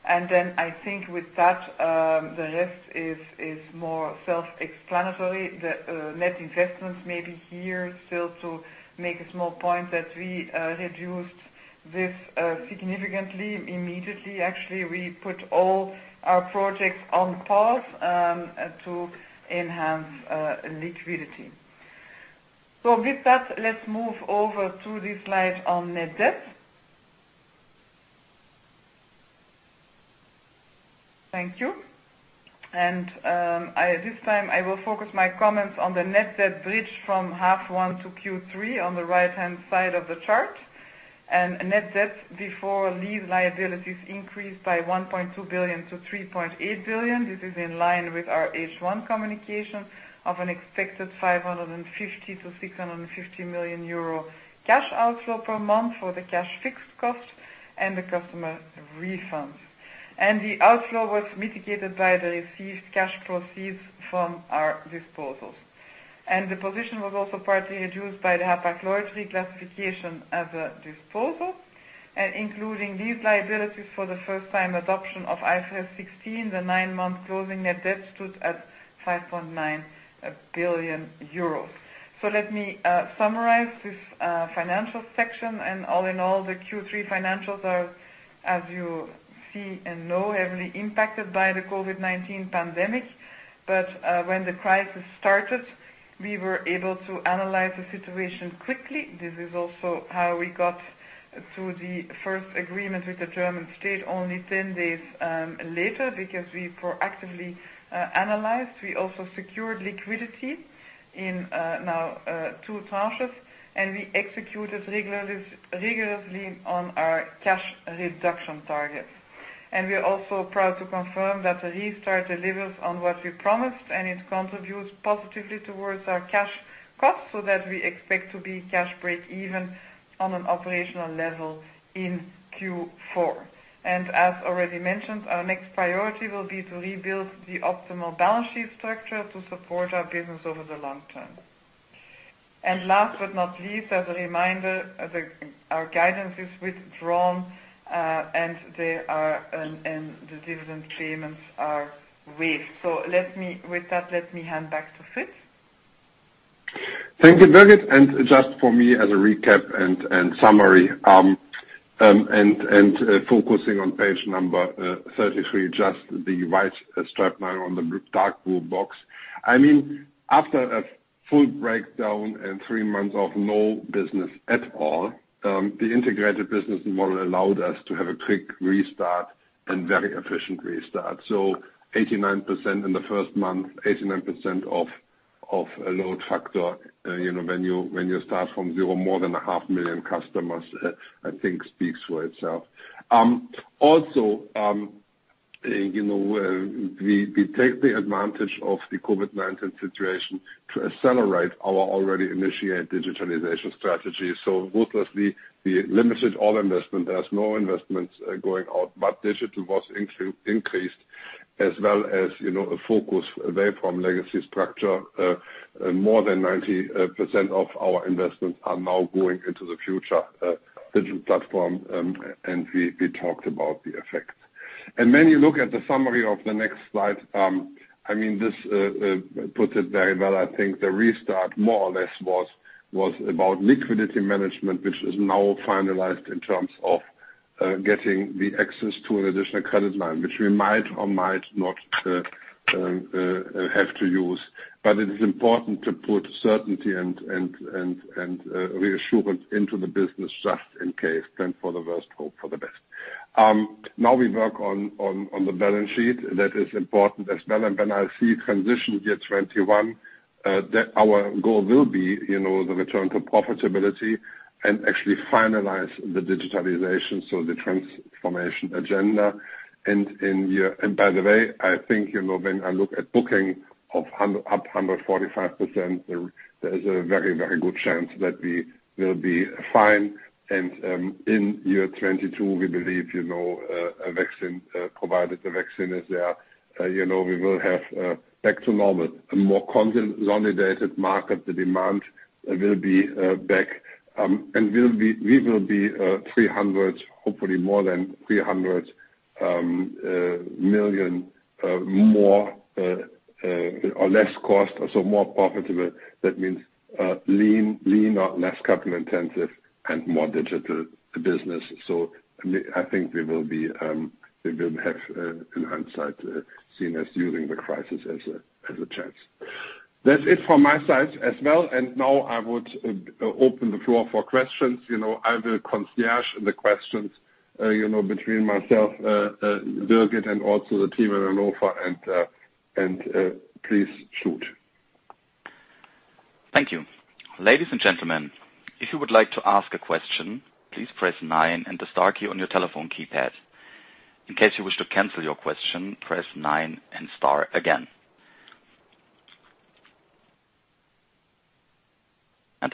I think with that, the rest is more self-explanatory. The net investment maybe here still to make a small point that we reduced this significantly, immediately. Actually, we put all our projects on pause, to enhance liquidity. With that, let's move over to the slide on net debt. Thank you. This time I will focus my comments on the net debt bridge from H1 to Q3 on the right-hand side of the chart. Net debt before lease liabilities increased by 1.2 billion-3.8 billion. This is in line with our H1 communication of an expected 550 million-650 million euro cash outflow per month for the cash fixed cost and the customer refunds. The outflow was mitigated by the received cash proceeds from our disposals. The position was also partly reduced by the Hapag-Lloyd reclassification as a disposal. Including these liabilities for the first-time adoption of IFRS 16, the nine-month closing net debt stood at 5.9 billion euros. Let me summarize this financial section. All in all, the Q3 financials are, as you see and know, heavily impacted by the COVID-19 pandemic. When the crisis started, we were able to analyze the situation quickly. This is also how we got through the first agreement with the German state only 10 days later, because we proactively analyzed. We also secured liquidity in now two tranches, and we executed rigorously on our cash reduction targets. We are also proud to confirm that the restart delivers on what we promised, and it contributes positively towards our cash costs, so that we expect to be cash breakeven on an operational level in Q4. As already mentioned, our next priority will be to rebuild the optimal balance sheet structure to support our business over the long term. Last but not least, as a reminder, our guidance is withdrawn, and the dividend payments are waived. With that, let me hand back to Fritz. Thank you, Birgit. Just for me as a recap and summary, focusing on page number 33, just the white stripe line on the dark blue box. After a full breakdown and three months of no business at all, the integrated business model allowed us to have a quick restart and very efficient restart. 89% in the first month, 89% of a load factor. When you start from zero, more than a half million customers, I think speaks for itself. We take the advantage of the COVID-19 situation to accelerate our already initiated digitalization strategy. Ruthlessly, we limited all investment. There is no investments going out. Digital was increased as well as a focus away from legacy structure. More than 90% of our investments are now going into the future digital platform, we talked about the effect. When you look at the summary of the next slide, this puts it very well. I think the restart more or less was about liquidity management, which is now finalized in terms of getting the access to an additional credit line, which we might or might not have to use. It is important to put certainty and reassurance into the business, just in case. Plan for the worst, hope for the best. Now we work on the balance sheet. That is important as well. When I see transition year 2021, our goal will be the return to profitability and actually finalize the digitalization, so the transformation agenda. By the way, I think when I look at booking of up 145%, there is a very good chance that we will be fine. In year 2022, we believe, provided the vaccine is there, we will have back to normal, a more consolidated market. The demand will be back, and we will be 300 million, hopefully more than 300 million less cost, so more profitable. That means leaner, less capital intensive and more digital business. I think we will have, in hindsight, seen as using the crisis as a chance. That's it from my side as well. Now I would open the floor for questions. I will concierge the questions between myself, Birgit, and also the team at Allofa, and please shoot. Thank you. Ladies and gentlemen, The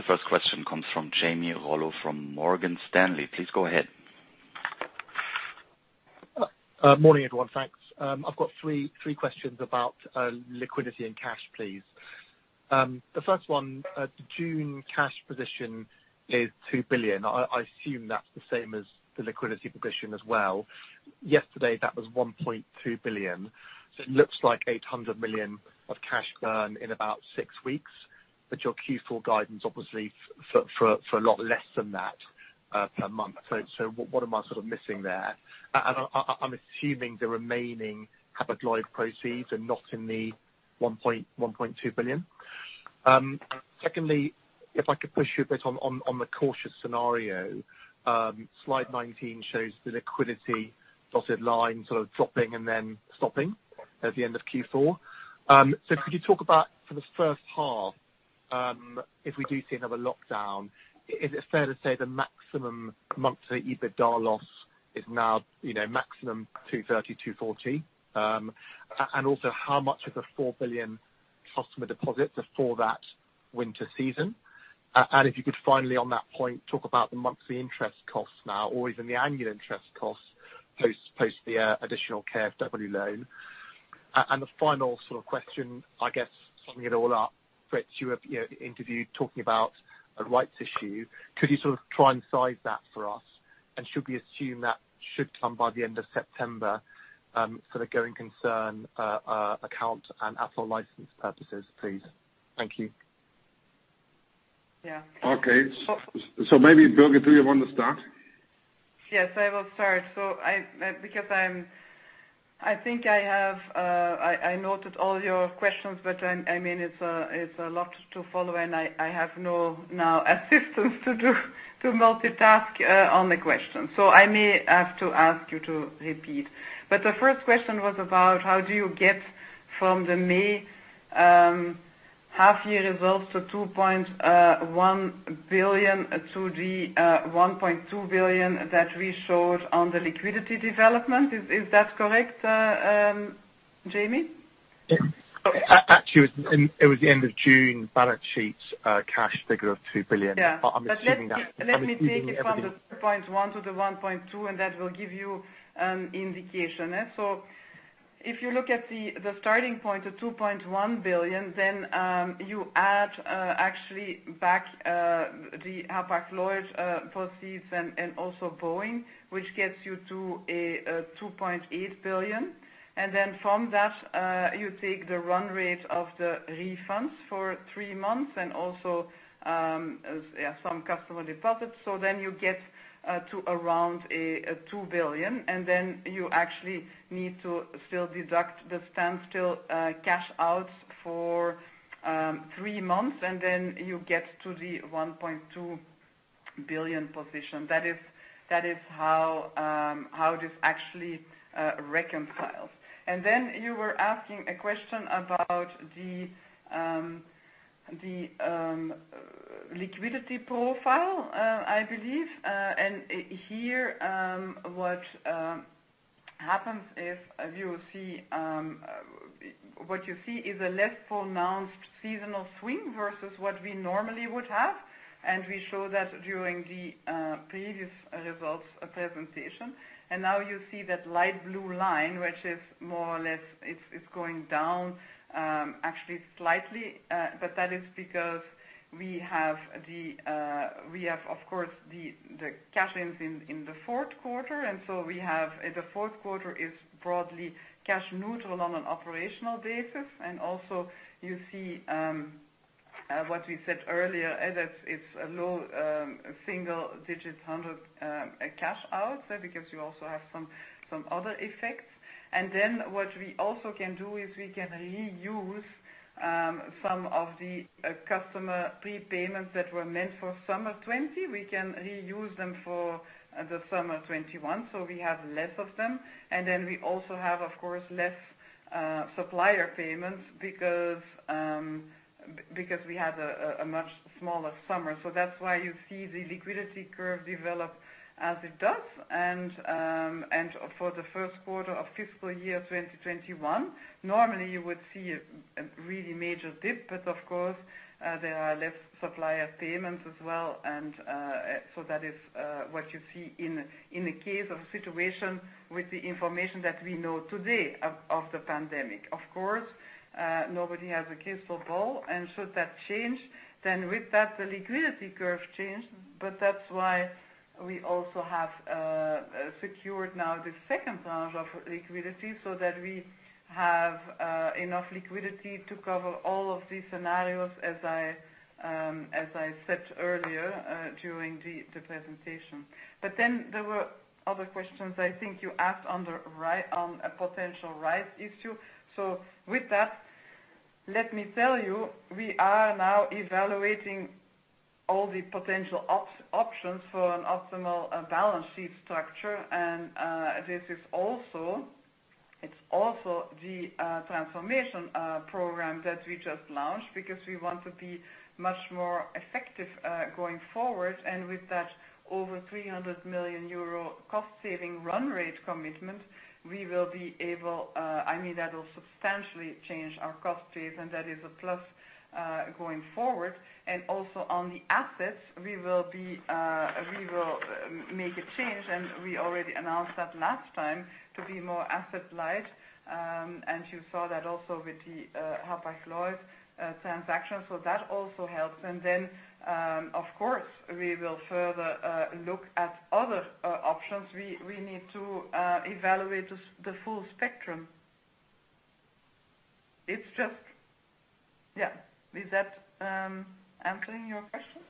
first question comes from Jamie Rollo from Morgan Stanley. Please go ahead. Morning, everyone. Thanks. I've got three questions about liquidity and cash, please. The first one, the June cash position is 2 billion. I assume that's the same as the liquidity position as well. Yesterday, that was 1.2 billion. It looks like 800 million of cash burn in about six weeks. Your Q4 guidance, obviously, for a lot less than that per month. What am I missing there? I'm assuming the remaining hybrid loan proceeds are not in the 1.2 billion. Secondly, if I could push you a bit on the cautious scenario. Slide 19 shows the liquidity dotted line dropping and then stopping at the end of Q4. Could you talk about for the first half, if we do see another lockdown, is it fair to say the maximum monthly EBITDA loss is now maximum 230 million-240 million? How much of the 4 billion customer deposits are for that winter season? If you could finally, on that point, talk about the monthly interest costs now or even the annual interest costs post the additional KfW loan. The final question, I guess summing it all up, Fritz, you have interviewed talking about a rights issue. Could you try and size that for us? Should we assume that should come by the end of September for the going concern account and ATOL license purposes, please? Thank you. Yeah. Okay. Maybe Birgit, do you want to start? I think I noted all your questions, but it's a lot to follow, and I have no assistants to do multitask on the question. I may have to ask you to repeat. The first question was about how do you get from the May half-year results to 2.1 billion to the 1.2 billion that we showed on the liquidity development. Is that correct, Jamie? Actually, it was the end of June balance sheet cash figure of 2 billion. Yeah. But I'm assuming that- Let me take it from the 2.1 to the 1.2, and that will give you an indication. If you look at the starting point of 2.1 billion, then you add actually back the Hapag-Lloyd proceeds and also Boeing, which gets you to 2.8 billion. From that, you take the run rate of the refunds for three months and also some customer deposits. You get to around 2 billion, and then you actually need to still deduct the standstill cash outs for three months, and then you get to the 1.2 billion position. That is how this actually reconciles. You were asking a question about the liquidity profile, I believe. Here, what happens is what you see is a less pronounced seasonal swing versus what we normally would have. We show that during the previous results presentation. Now you see that light blue line, which is more or less, it's going down actually slightly. That is because we have, of course, the cash-ins in the fourth quarter. The fourth quarter is broadly cash neutral on an operational basis. Also you see, what we said earlier, that it's a low single-digit hundred cash-out, because you also have some other effects. What we also can do is we can reuse some of the customer prepayments that were meant for summer 2020. We can reuse them for the summer 2021, so we have less of them. We also have, of course, less supplier payments because we had a much smaller summer. That's why you see the liquidity curve develop as it does. For the first quarter of FY 2021, normally you would see a really major dip, of course, there are less supplier payments as well. That is what you see in the case of a situation with the information that we know today of the pandemic. Of course, nobody has a crystal ball. Should that change, with that, the liquidity curve change, that's why we also have secured now the second tranche of liquidity so that we have enough liquidity to cover all of these scenarios, as I said earlier during the presentation. There were other questions I think you asked on a potential rise issue. With that, let me tell you, we are now evaluating all the potential options for an optimal balance sheet structure. This is also the transformation program that we just launched because we want to be much more effective going forward. With that, over 300 million euro cost saving run rate commitment, That will substantially change our cost base, and that is a plus, going forward. Also on the assets, we will make a change, and we already announced that last time, to be more asset light. You saw that also with the Hapag-Lloyd transaction. That also helps. Then, of course, we will further look at other options. We need to evaluate the full spectrum. Is that answering your question?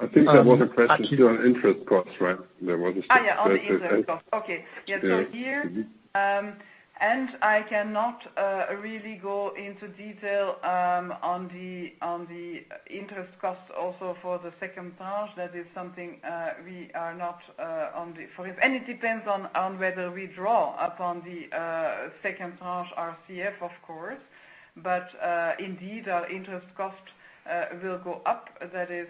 I think there was a question too on interest cost, right? Oh, yeah. On the interest cost. Okay. Here, I cannot really go into detail on the interest cost also for the second tranche. That is something we are not. It depends on whether we draw upon the second tranche RCF, of course. Indeed, our interest cost will go up. That is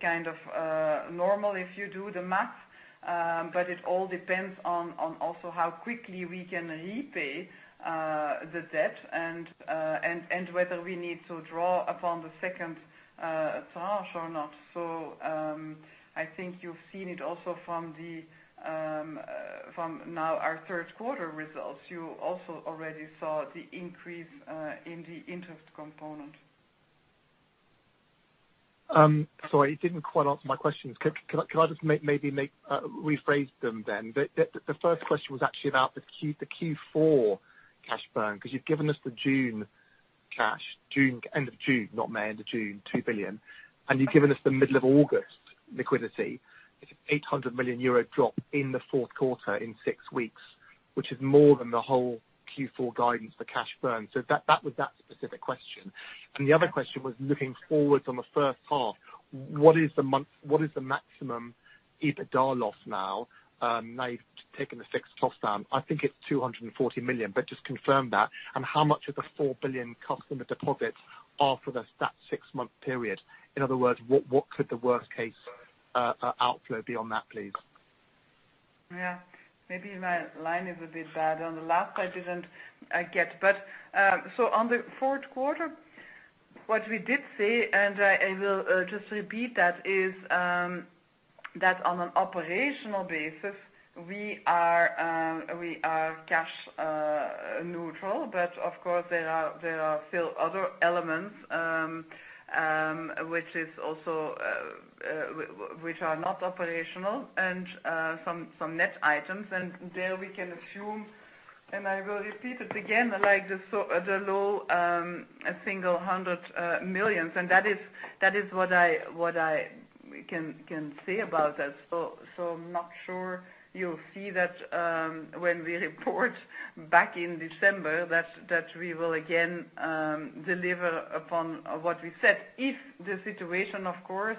kind of normal if you do the math. It all depends on also how quickly we can repay the debt and whether we need to draw upon the second tranche or not. I think you've seen it also from now our third quarter results. You also already saw the increase in the interest component. Sorry, you didn't quite answer my questions. Could I just maybe rephrase them? The first question was actually about the Q4 cash burn, because you've given us the June cash, end of June, not May, end of June, 2 billion, and you've given us the middle of August liquidity, it's an 800 million euro drop in the fourth quarter in six weeks, which is more than the whole Q4 guidance for cash burn. That was that specific question. The other question was looking forward on the first half, what is the maximum EBITDA loss now you've taken the fixed cost down? I think it's 240 million, just confirm that. How much of the 4 billion customer deposits are for that six-month period? In other words, what could the worst-case outflow be on that, please? Maybe my line is a bit bad. On the last I didn't get. On the fourth quarter, what we did say, and I will just repeat that, is that on an operational basis, we are cash neutral. Of course, there are still other elements which are not operational and some net items, and there we can assume, and I will repeat it again, like the low single hundred millions. That is what I can say about that. I'm not sure you'll see that when we report back in December that we will again deliver upon what we said. If the situation, of course,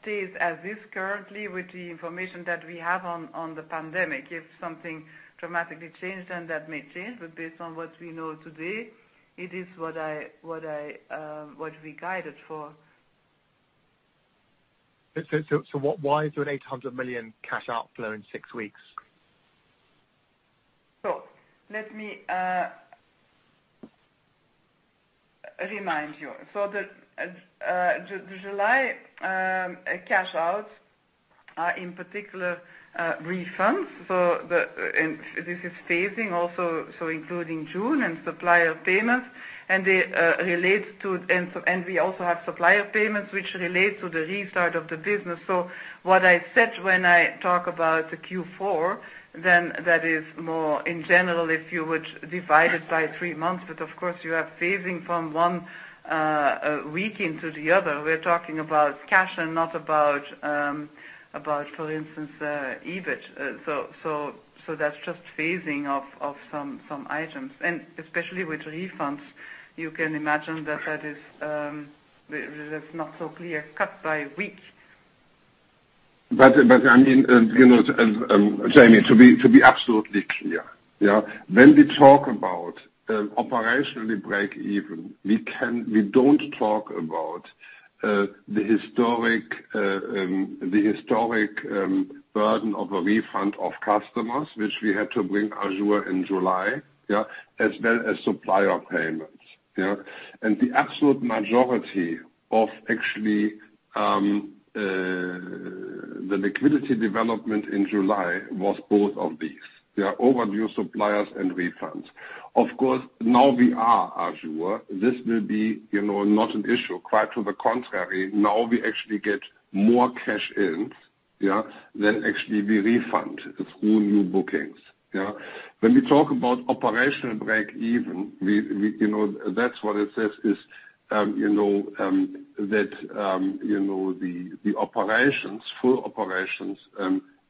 stays as is currently with the information that we have on the pandemic. If something dramatically changed, then that may change. Based on what we know today, it is what we guided for. Why is there an 800 million cash outflow in six weeks? Let me remind you. The July cash outs are, in particular, refunds. This is phasing also, so including June and supplier payments, and we also have supplier payments which relate to the restart of the business. What I said when I talk about the Q4, then that is more in general, if you would divide it by three months. Of course, you are phasing from one week into the other. We're talking about cash and not about for instance, EBIT. That's just phasing of some items. Especially with refunds, you can imagine that that is not so clear cut by weeks. I mean, Jamie, to be absolutely clear. When we talk about operationally break even, we don't talk about the historic burden of a refund of customers, which we had to bring assured in July, as well as supplier payments. The absolute majority of actually the liquidity development in July was both of these. They are overdue suppliers and refunds. Of course, now we are assured. This will be not an issue. Quite to the contrary, now we actually get more cash in than actually we refund through new bookings. When we talk about operational break even, that's what it says is that the operations, full operations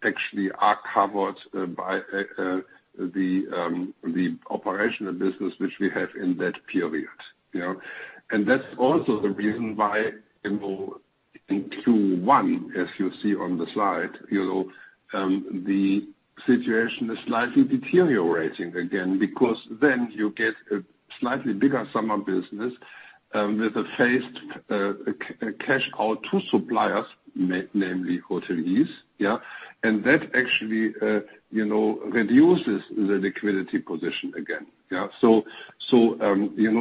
actually are covered by the operational business which we have in that period. That's also the reason why in Q1, as you see on the slide, the situation is slightly deteriorating again, because then you get a slightly bigger summer business with a phased cash out to suppliers, namely hoteliers. That actually reduces the liquidity position again. Particularly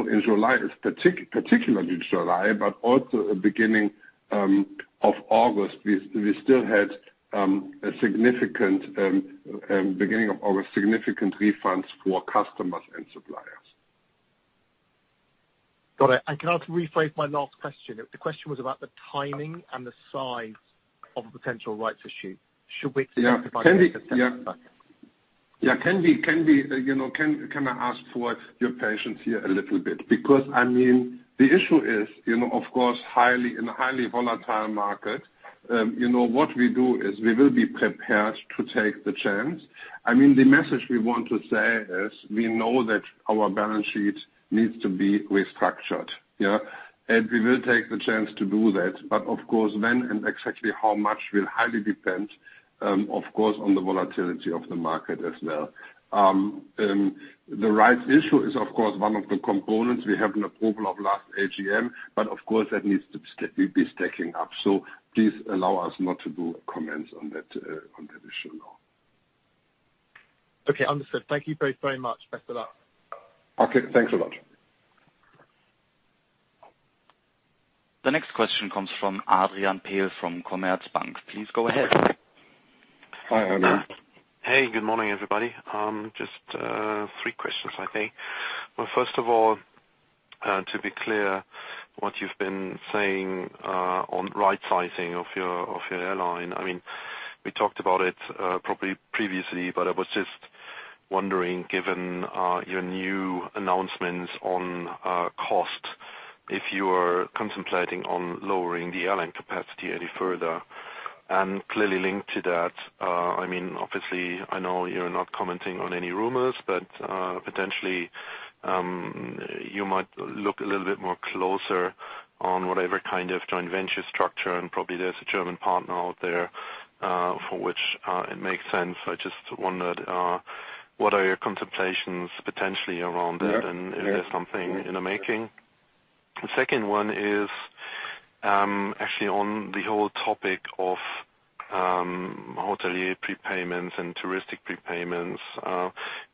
in July, but also beginning of August, we still had a significant refunds for customers and suppliers. Got it. Can I rephrase my last question? The question was about the timing and the size of a potential rights issue. Yeah. expect that in the second half? Yeah. Can I ask for your patience here a little bit? Because, I mean, the issue is, of course, in a highly volatile market, what we do is we will be prepared to take the chance. I mean, the message we want to say is we know that our balance sheet needs to be restructured. We will take the chance to do that. Of course, when and exactly how much will highly depend, of course, on the volatility of the market as well. The rights issue is, of course, one of the components. We have an approval of last AGM, but of course, that needs to be stacking up. Please allow us not to do comments on that issue now. Okay. Understood. Thank you both very much. Best of luck. Okay. Thanks a lot. The next question comes from Adrian Pehl from Commerzbank. Please go ahead Hi, Adrian. Hey, good morning, everybody. Just three questions, I think. First of all, to be clear, what you've been saying on right-sizing of your airline. We talked about it probably previously, but I was just wondering, given your new announcements on cost, if you are contemplating on lowering the airline capacity any further? Clearly linked to that, obviously I know you're not commenting on any rumors, but potentially, you might look a little bit more closer on whatever kind of joint venture structure, and probably there's a German partner out there, for which it makes sense. I just wondered, what are your contemplations potentially around that and if there's something in the making? The second one is actually on the whole topic of hotelier prepayments and touristic prepayments.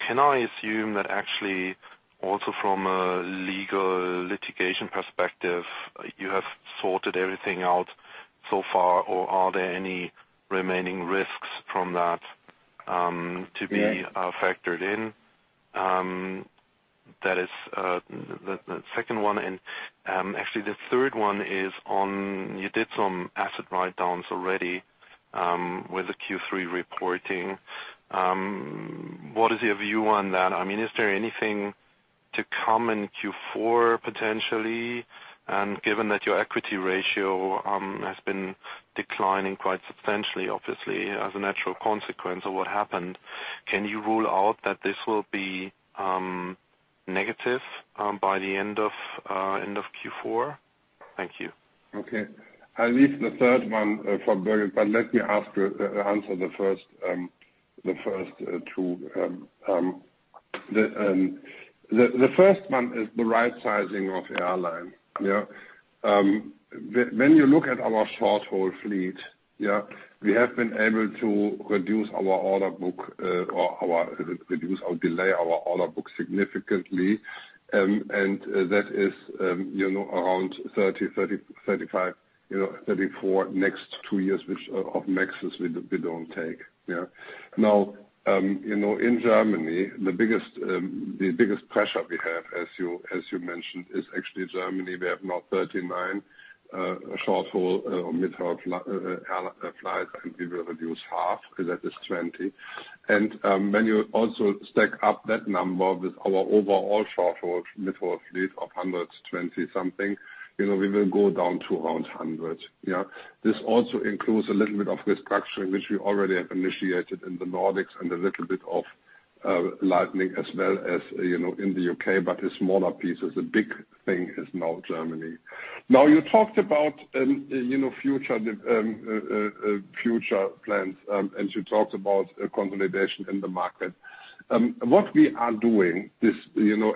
Can I assume that actually, also from a legal litigation perspective, you have sorted everything out so far? Are there any remaining risks from that to be factored in? That is the second one and actually the third one is on you did some asset write-downs already, with the Q3 reporting. What is your view on that? Is there anything to come in Q4 potentially? Given that your equity ratio has been declining quite substantially, obviously as a natural consequence of what happened, can you rule out that this will be negative by the end of Q4? Thank you. Okay. I leave the third one for Birgit, but let me answer the first two. The first one is the right sizing of airline. When you look at our short-haul fleet, we have been able to reduce our order book, or delay our order book significantly. That is around 30, 35, 34 next two years of MAXes we don't take. Now, in Germany, the biggest pressure we have, as you mentioned, is actually Germany. We have now 39 short-haul or mid-haul flights and we will reduce half, that is 20. When you also stack up that number with our overall short-haul, mid-haul fleet of 120-something, we will go down to around 100. This also includes a little bit of restructuring, which we already have initiated in the Nordics and a little bit of lightening as well as in the U.K., but a smaller piece. The big thing is now Germany. You talked about future plans, and you talked about consolidation in the market. What we are doing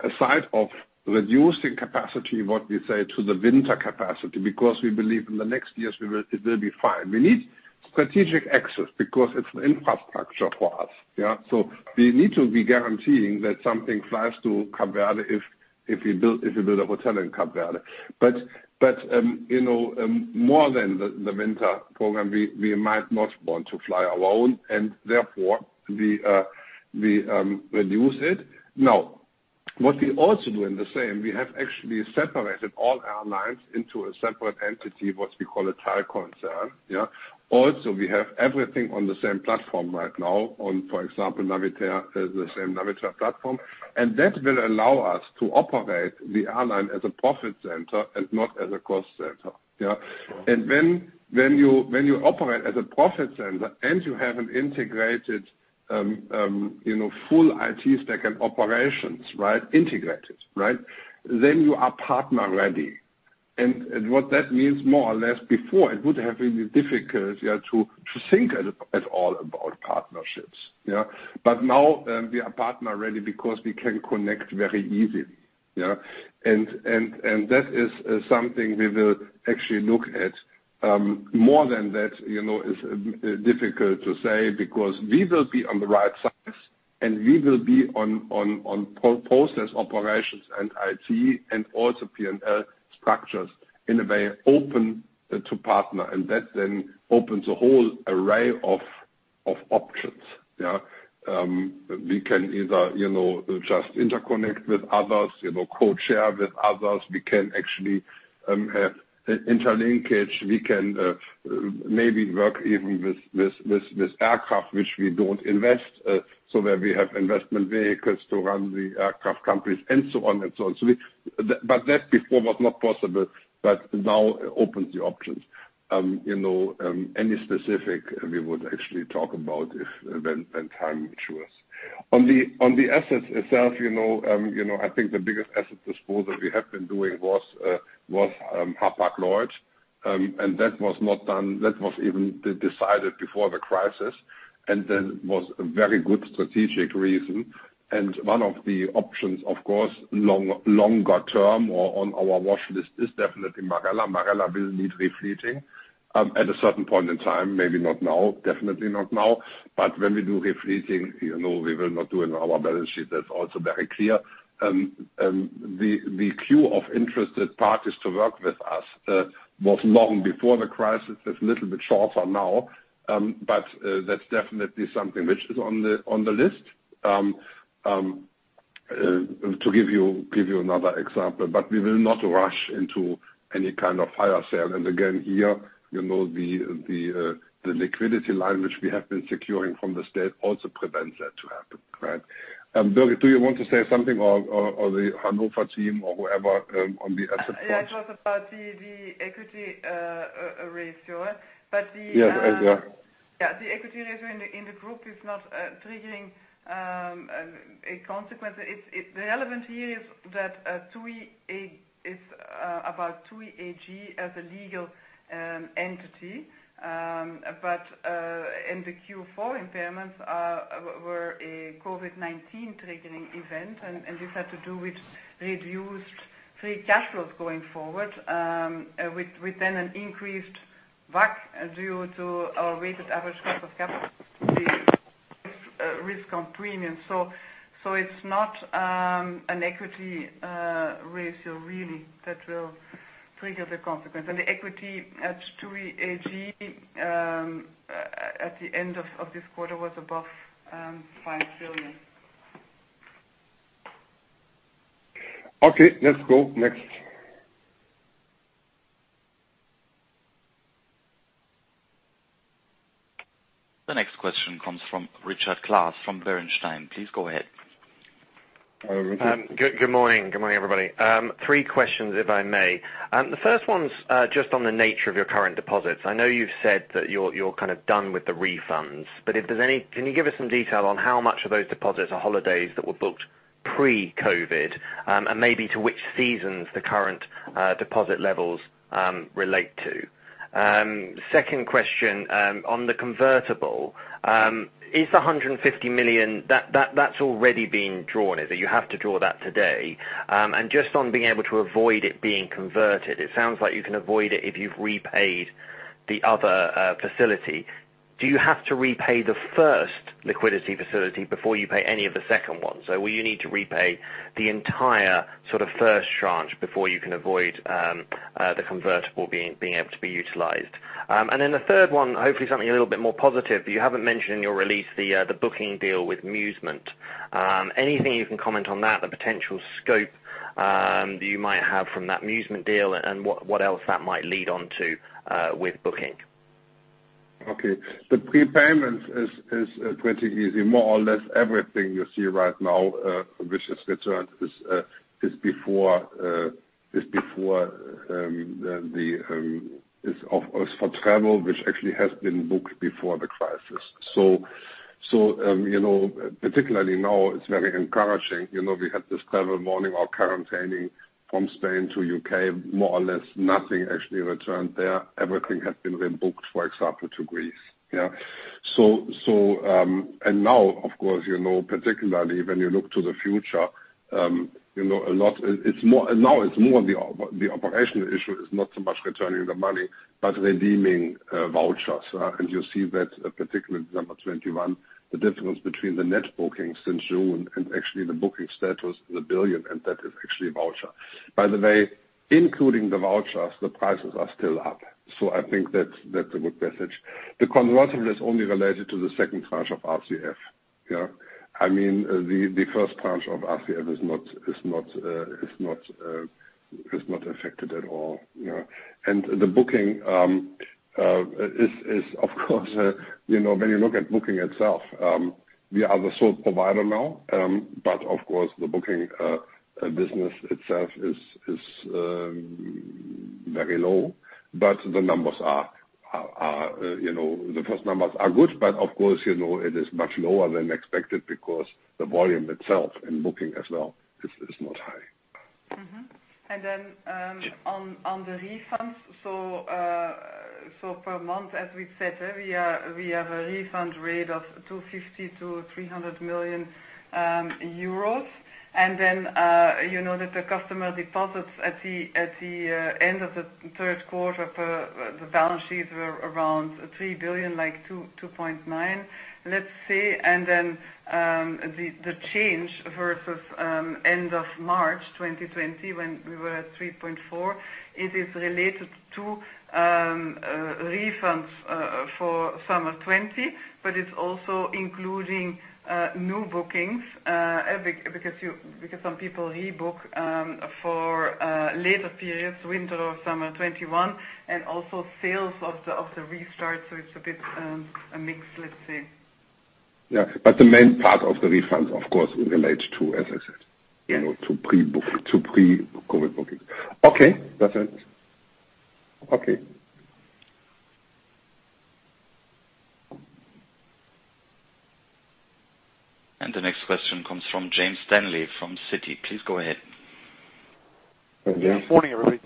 aside of reducing capacity, what we say to the winter capacity, because we believe in the next years it will be fine. We need strategic access because it's infrastructure for us. We need to be guaranteeing that something flies to Cape Verde if we build a hotel in Cape Verde. More than the winter program, we might not want to fly alone and therefore we reduce it. What we also do in the same, we have actually separated all airlines into a separate entity, what we call a Teilkonzern. We have everything on the same platform right now on, for example, Navitaire, the same Navitaire platform. That will allow us to operate the airline as a profit center and not as a cost center. When you operate as a profit center and you have an integrated full IT stack and operations integrated, you are partner ready. What that means more or less before it would have been difficult to think at all about partnerships. Now we are partner ready because we can connect very easy. That is something we will actually look at. More than that is difficult to say because we will be on the right size and we will be on process operations and IT and also P&L structures in a way open to partner and that then opens a whole array of options. We can either just interconnect with others, codeshare with others. We can actually have interlinkage. We can maybe work even with aircraft which we don't invest, we have investment vehicles to run the aircraft companies and so on and so on. That before was not possible, now opens the options. Any specific we would actually talk about if when time matures. On the assets itself, I think the biggest asset disposal we have been doing was Hapag-Lloyd, that was even decided before the crisis was a very good strategic reason. One of the options, of course, longer term or on our watch list is definitely Marella. Marella will need re-fleeting at a certain point in time, maybe not now, definitely not now. When we do re-fleeting, we will not do in our balance sheet. That's also very clear. The queue of interested parties to work with us was long before the crisis. It's a little bit shorter now. That's definitely something which is on the list. To give you another example, we will not rush into any kind of fire sale. Again, here, the liquidity line which we have been securing from the state also prevents that to happen. Birgit, do you want to say something? Or the Hanover team or whoever on the asset part? Yeah, it was about the equity ratio. Yes. Yeah. The equity ratio in the group is not triggering a consequence. The relevant here is that it is about TUI AG as a legal entity. In the Q4, impairments were a COVID-19 triggering event, and this had to do with reduced free cash flows going forward, within an increased WACC due to our weighted average cost of capital risk premium. It is not an equity ratio really that will trigger the consequence. The equity at TUI AG at the end of this quarter was above 5 billion. Okay, let's go. Next. The next question comes from Richard Clarke from Bernstein. Please go ahead. Richard. Good morning. Good morning, everybody. Three questions, if I may. The first one's just on the nature of your current deposits. I know you've said that you're done with the refunds. Can you give us some detail on how much of those deposits are holidays that were booked pre-COVID? Maybe to which seasons the current deposit levels relate to. Second question, on the convertible. Is the 150 million, that's already been drawn, is it? You have to draw that today. Just on being able to avoid it being converted, it sounds like you can avoid it if you've repaid the other facility. Do you have to repay the first liquidity facility before you pay any of the second one? Will you need to repay the entire first tranche before you can avoid the convertible being able to be utilized? The third one, hopefully something a little bit more positive, but you haven't mentioned in your release the Booking deal with Musement. Anything you can comment on that, the potential scope that you might have from that Musement deal and what else that might lead on to with Booking? The prepayment is pretty easy. More or less everything you see right now, which is returned, is for travel which actually has been booked before the crisis. Particularly now, it's very encouraging. We had this travel warning or quarantining from Spain to U.K., more or less nothing actually returned there. Everything had been rebooked, for example, to Greece. Now, of course, particularly when you look to the future, now it's more the operational issue. It's not so much returning the money, but redeeming vouchers. You see that particularly in December 2021, the difference between the net bookings since June and actually the Booking status is 1 billion, and that is actually a voucher. By the way, including the vouchers, the prices are still up. I think that's a good message. The convertible is only related to the second tranche of RCF. The first tranche of RCF is not affected at all. The Booking is, of course, when you look at Booking itself, we are the sole provider now. Of course, the Booking business itself is very low. The first numbers are good, but of course, it is much lower than expected because the volume itself in Booking as well is not high. On the refunds, per month, as we've said, we have a refund rate of 250 million-300 million euros. The customer deposits at the end of the third quarter for the balance sheets were around 3 billion, like 2.9 billion, let's say. The change versus end of March 2020, when we were at 3.4 billion, is related to refunds for summer 2020, but it's also including new bookings, because some people rebook for later periods, winter or summer 2021, and also sales of the restart. It's a bit of a mix, let's say. Yeah. The main part of the refunds, of course, relates to, as I said, to pre-COVID Bookings. Okay. That's it. Okay. The next question comes from James Stanley from Citi. Please go ahead. Hi, James. Morning, everybody.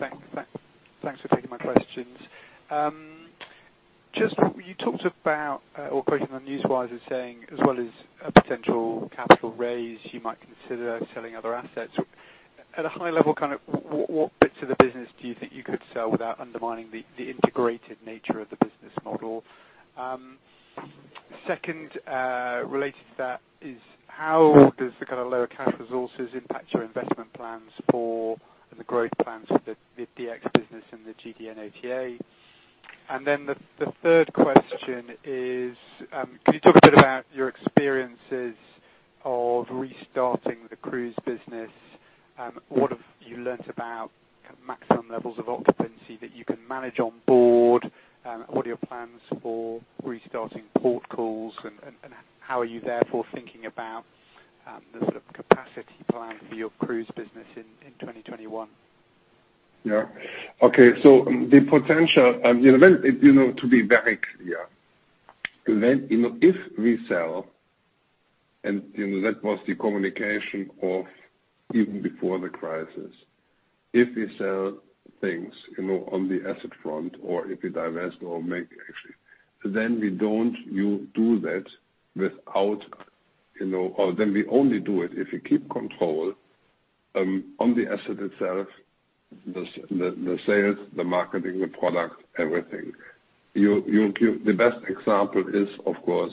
Thanks for taking my questions. Just you talked about, or quoted on newswires as saying, as well as a potential capital raise, you might consider selling other assets. At a high level, what bits of the business do you think you could sell without undermining the integrated nature of the business model? Second, related to that is how does the lower cash resources impact your investment plans for the growth plans for the DX business and the GDNATA? The third question is, can you talk a bit about your experiences of restarting the cruise business? What have you learnt about maximum levels of occupancy that you can manage on board? What are your plans for restarting port calls, and how are you therefore thinking about the capacity plan for your cruise business in 2021? Yeah. Okay. The potential, to be very clear. If we sell, that was the communication of even before the crisis. If we sell things on the asset front, or if we divest or make actually, then we only do it if we keep control on the asset itself, the sales, the marketing, the product, everything. The best example is, of course,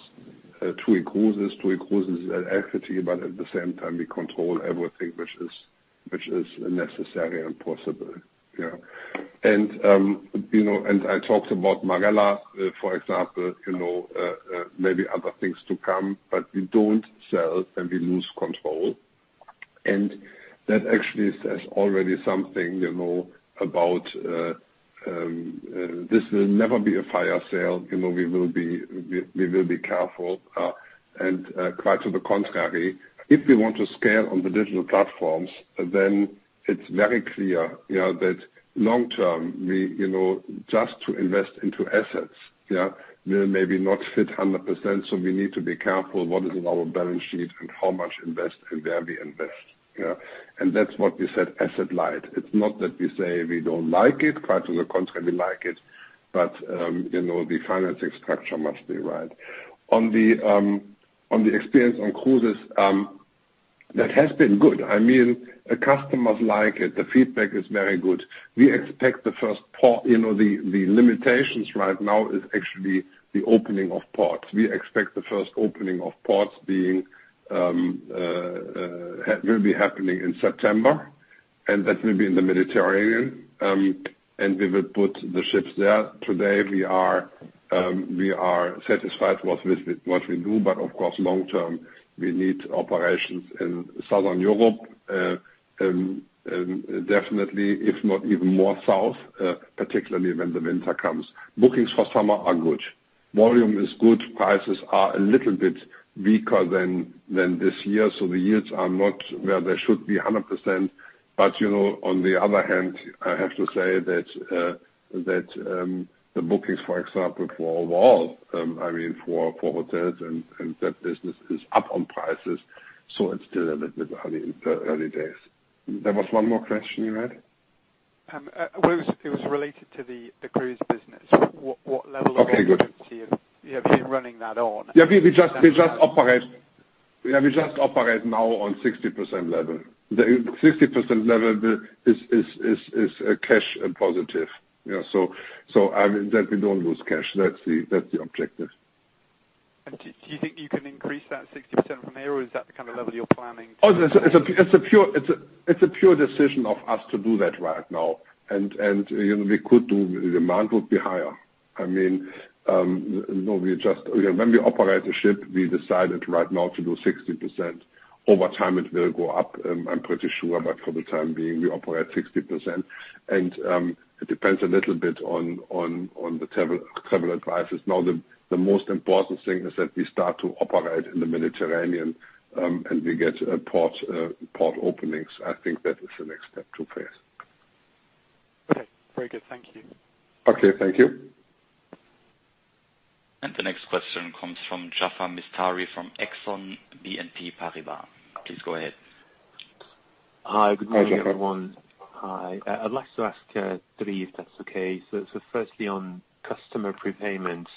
TUI Cruises. TUI Cruises is an equity, at the same time, we control everything which is necessary and possible. Yeah. I talked about Marella, for example, maybe other things to come, we don't sell, we lose control. That actually says already something, about this will never be a fire sale. We will be careful. Quite to the contrary, if we want to scale on the digital platforms, then it's very clear that long-term, just to invest into assets, yeah, will maybe not fit 100%. We need to be careful what is in our balance sheet and how much invest, and where we invest. Yeah. That's what we said, asset light. It's not that we say we don't like it. Quite to the contrary, we like it. The financing structure must be right. On the experience on cruises, that has been good. The customers like it. The feedback is very good. The limitations right now is actually the opening of ports. We expect the first opening of ports will be happening in September, and that will be in the Mediterranean. We will put the ships there. Today, we are satisfied with what we do, but of course, long-term, we need operations in Southern Europe. Definitely, if not even more south, particularly when the winter comes. Bookings for summer are good. Volume is good. Prices are a little bit weaker than this year. The yields are not where they should be 100%. On the other hand, I have to say that the bookings, for example, for overall, for hotels and that business is up on prices. It's still a little bit early days. There was one more question you had? Well, it was related to the cruise business. Okay, good. What level of occupancy have you been running that on? We just operate now on 60% level. The 60% level is cash positive. That we don't lose cash. That's the objective. Do you think you can increase that 60% from here, or is that the kind of level you're planning to? It's a pure decision of us to do that right now. The demand would be higher. When we operate the ship, we decided right now to do 60%. Over time, it will go up, I'm pretty sure, but for the time being, we operate 60%. It depends a little bit on the travel advices. Now, the most important thing is that we start to operate in the Mediterranean, and we get port openings. I think that is the next step to face. Okay. Very good. Thank you. Okay. Thank you. The next question comes from Jaafar Mestari from Exane BNP Paribas. Please go ahead. Hi. Good morning, everyone. Hi, Jaafar. Hi. I'd like to ask three, if that's okay. Firstly, on customer prepayments,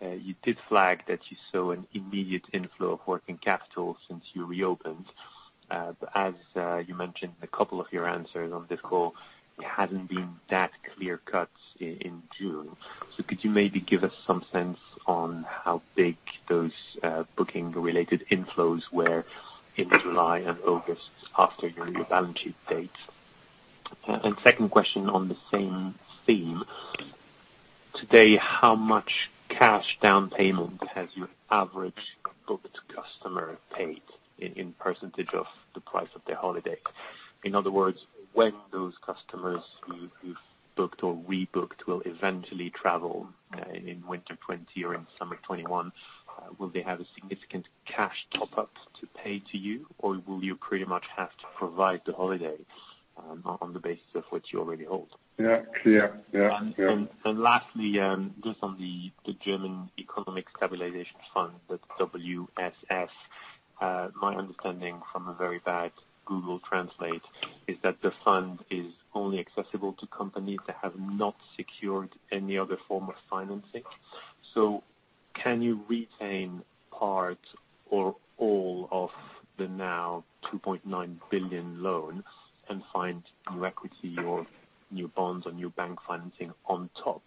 you did flag that you saw an immediate inflow of working capital since you reopened. As you mentioned in a couple of your answers on this call, it hasn't been that clear-cut in June. Could you maybe give us some sense on how big those Booking-related inflows were in July and August after your rebalancing date? Second question on the same theme. Today, how much cash down payment has your average booked customer paid in % of the price of their holiday? In other words, when those customers who've booked or rebooked will eventually travel in winter 2020 or in summer 2021, will they have a significant cash top-up to pay to you, or will you pretty much have to provide the holiday on the basis of what you already hold? Yeah, clear. Lastly, just on the German Economic Stabilization Fund, the WSF. My understanding from a very bad Google Translate is that the fund is only accessible to companies that have not secured any other form of financing. Can you retain part or all of the now 2.9 billion loan and find new equity or new bonds or new bank financing on top?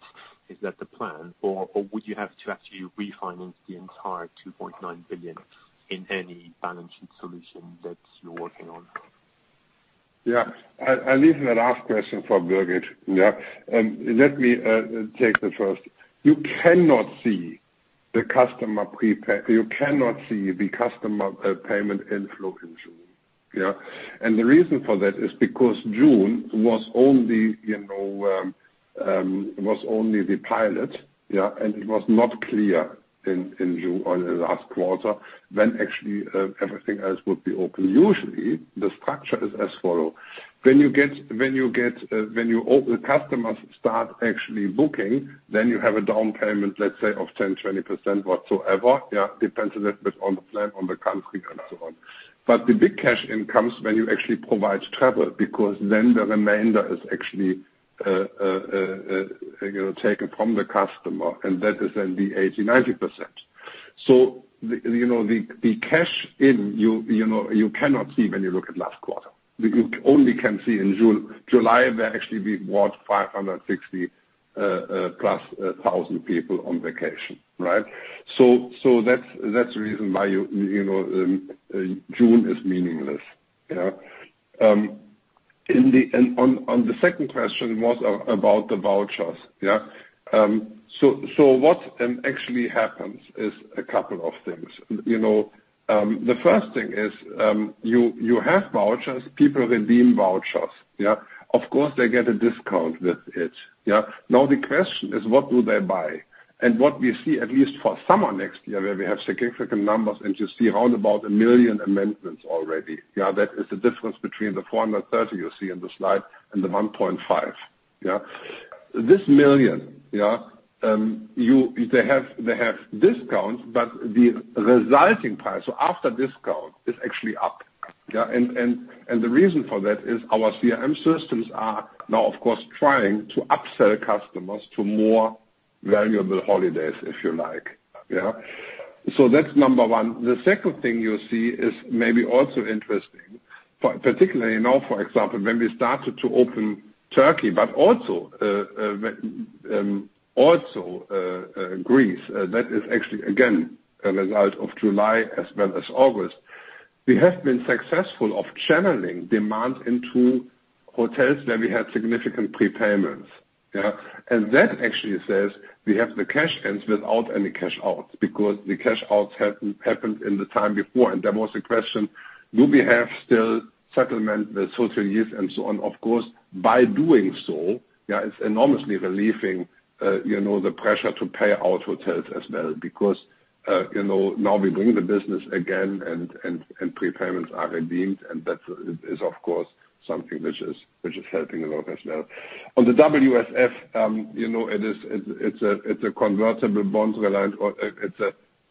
Is that the plan, or would you have to actually refinance the entire 2.9 billion in any balance sheet solution that you're working on? Yeah. I'll leave the last question for Birgit. Yeah. Let me take the first. You cannot see the customer payment inflow in June. Yeah. The reason for that is because June was only the pilot, yeah, and it was not clear in June or the last quarter when actually everything else would be open. Usually, the structure is as follow. When customers start actually booking, then you have a down payment, let's say, of 10%-20% whatsoever, yeah, depends a little bit on the plan, on the country and so on. The big cash in comes when you actually provide travel, because then the remainder is actually taken from the customer, and that is then the 80%-90%. The cash in, you cannot see when you look at last quarter. You only can see in July, where actually we brought 560,000-plus people on vacation, right? That's the reason why June is meaningless. On the second question was about the vouchers. What actually happens is a couple of things. The first thing is, you have vouchers, people redeem vouchers. Of course, they get a discount with it. Now the question is, what do they buy? What we see, at least for summer next year, where we have significant numbers, and you see around about 1 million amendments already. That is the difference between the 430 you see in the slide and the 1.5. This 1 million, they have discounts, but the resulting price after discount is actually up. The reason for that is our CRM systems are now, of course, trying to upsell customers to more valuable holidays, if you like. That's number one. The second thing you see is maybe also interesting, particularly now, for example, when we started to open Turkey, but also Greece. That is actually, again, a result of July as well as August. We have been successful of channeling demand into hotels where we had significant prepayments. Yeah. That actually says we have the cash ins without any cash outs, because the cash outs happened in the time before, and that was the question, do we have still supplement the hoteliers and so on? Of course, by doing so, yeah, it's enormously relieving the pressure to pay our hotels as well, because now we bring the business again and prepayments are redeemed, and that is, of course, something which is helping a lot as well. On the WSF, it's a convertible bond reliance.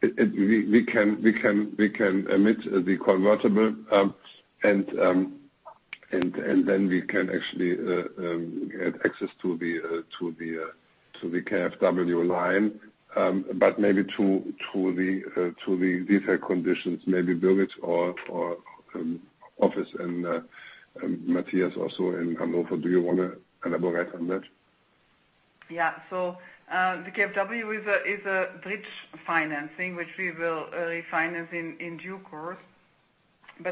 We can emit the convertible, and then we can actually get access to the KfW line. Maybe to the detail conditions, maybe Birgit or Friedrich and Mathias also in Hannover, do you want to elaborate on that? Yeah. The KfW is a bridge financing, which we will refinance in due course.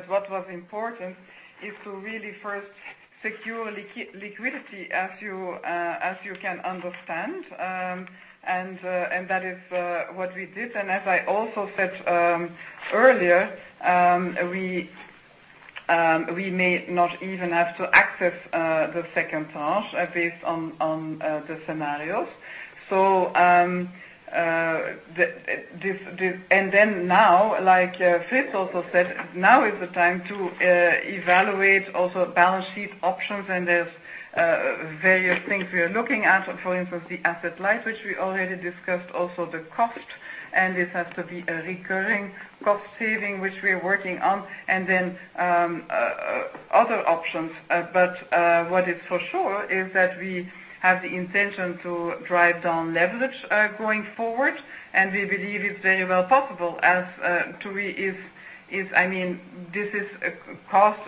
What was important is to really first secure liquidity, as you can understand. That is what we did. As I also said earlier, we may not even have to access the second tranche based on the scenarios. Now, like Fritz also said, now is the time to evaluate also balance sheet options, and there's various things we are looking at. For instance, the asset light, which we already discussed, also the cost, and this has to be a recurring cost saving, which we are working on, and then other options. What is for sure is that we have the intention to drive down leverage going forward, and we believe it's very well possible as TUI is-- This is caused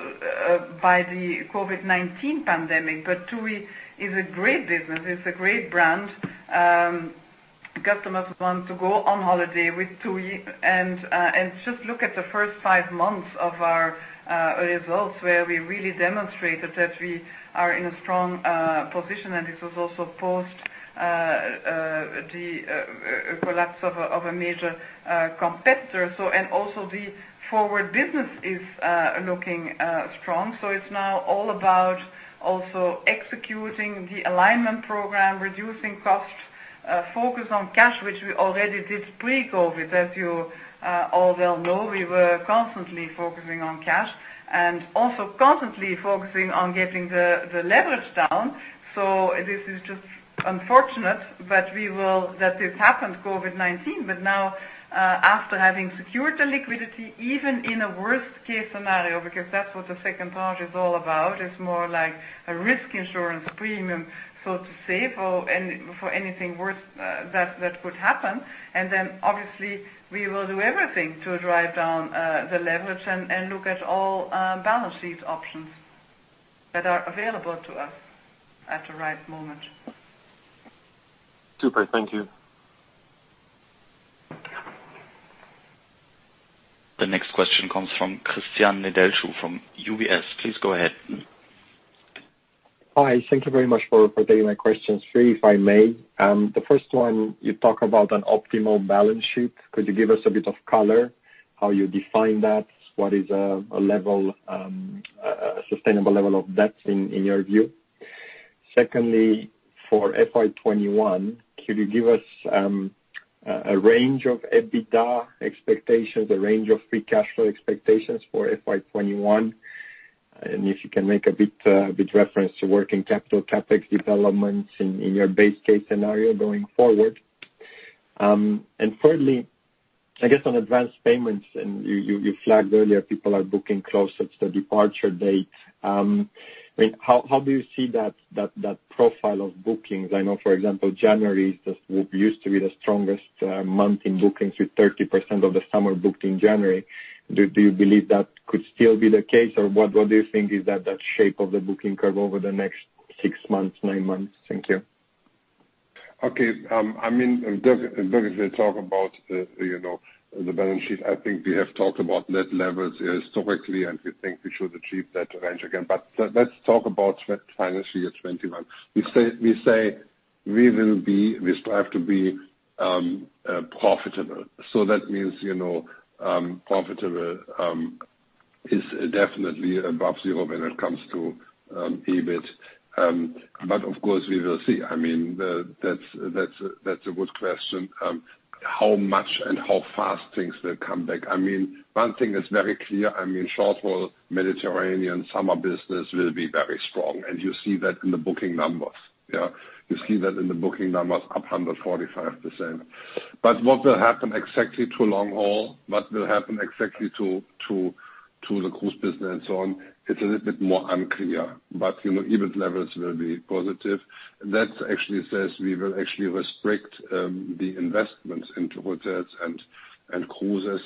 by the COVID-19 pandemic, but TUI is a great business. It's a great brand. Customers want to go on holiday with TUI. Just look at the first five months of our results, where we really demonstrated that we are in a strong position, and this was also post the collapse of a major competitor. Also the forward business is looking strong. It's now all about also executing the alignment program, reducing cost, focus on cash, which we already did pre-COVID. As you all well know, we were constantly focusing on cash and also constantly focusing on getting the leverage down. This is just unfortunate that this happened, COVID-19. Now, after having secured the liquidity, even in a worst-case scenario, because that's what the second tranche is all about, it's more like a risk insurance premium, so to say, for anything worse that could happen. Obviously, we will do everything to drive down the leverage and look at all balance sheet options that are available to us at the right moment. Super. Thank you. The next question comes from Cristian Nedelcu from UBS. Please go ahead. Hi. Thank you very much for taking my questions. Three, if I may. The first one, you talk about an optimal balance sheet. Could you give us a bit of color how you define that? What is a sustainable level of debt in your view? Secondly, for FY 2021, could you give us a range of EBITDA expectations, a range of free cash flow expectations for FY 2021? If you can make a bit of reference to working capital, CapEx developments in your base case scenario going forward. Thirdly, I guess on advance payments, and you flagged earlier, people are Booking closer to departure date. How do you see that profile of bookings? I know, for example, January used to be the strongest month in bookings with 30% of the summer booked in January. Do you believe that could still be the case? What do you think is that shape of the Booking curve over the next six months, nine months? Thank you. Okay. Birgit will talk about the balance sheet. I think we have talked about net levels historically, we think we should achieve that range again. Let's talk about financial year 2021. We say we strive to be profitable. That means, profitable is definitely above zero when it comes to EBIT. Of course, we will see. That's a good question. How much and how fast things will come back? One thing that's very clear, short-haul Mediterranean summer business will be very strong, and you see that in the booking numbers. Yeah. You see that in the booking numbers, up 145%. What will happen exactly to long haul, what will happen exactly to the cruise business and so on, it's a little bit more unclear. EBIT levels will be positive. That actually says we will actually restrict the investments into hotels and cruises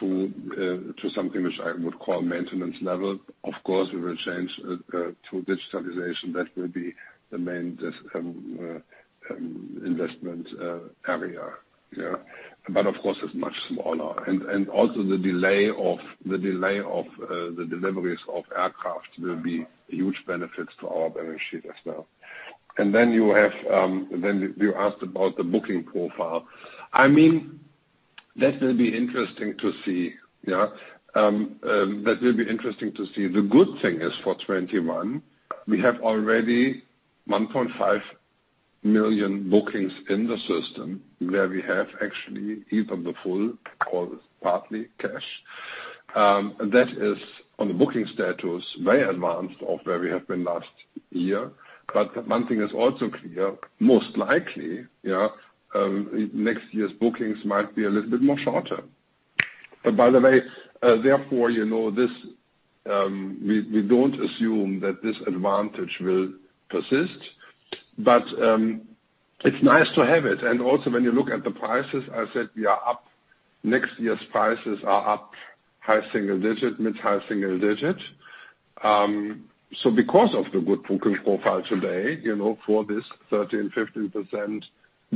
to something which I would call maintenance level. Of course, we will change to digitalization. That will be the main investment area. Yeah. That will be interesting to see. Of course, it's much smaller. Also the delay of the deliveries of aircraft will be a huge benefit to our balance sheet as well. You asked about the booking profile. That will be interesting to see. Yeah. That will be interesting to see. The good thing is for 2021, we have already 1.5 million bookings in the system where we have actually either the full or partly cash. That is on the booking status, very advanced of where we have been last year. One thing is also clear, most likely, next year's bookings might be a little bit more shorter. By the way, therefore, we don't assume that this advantage will persist, but it's nice to have it. Also when you look at the prices, I said we are up. Next year's prices are up high single digit, mid-high single digit. Because of the good booking profile today, for this 30 and 15%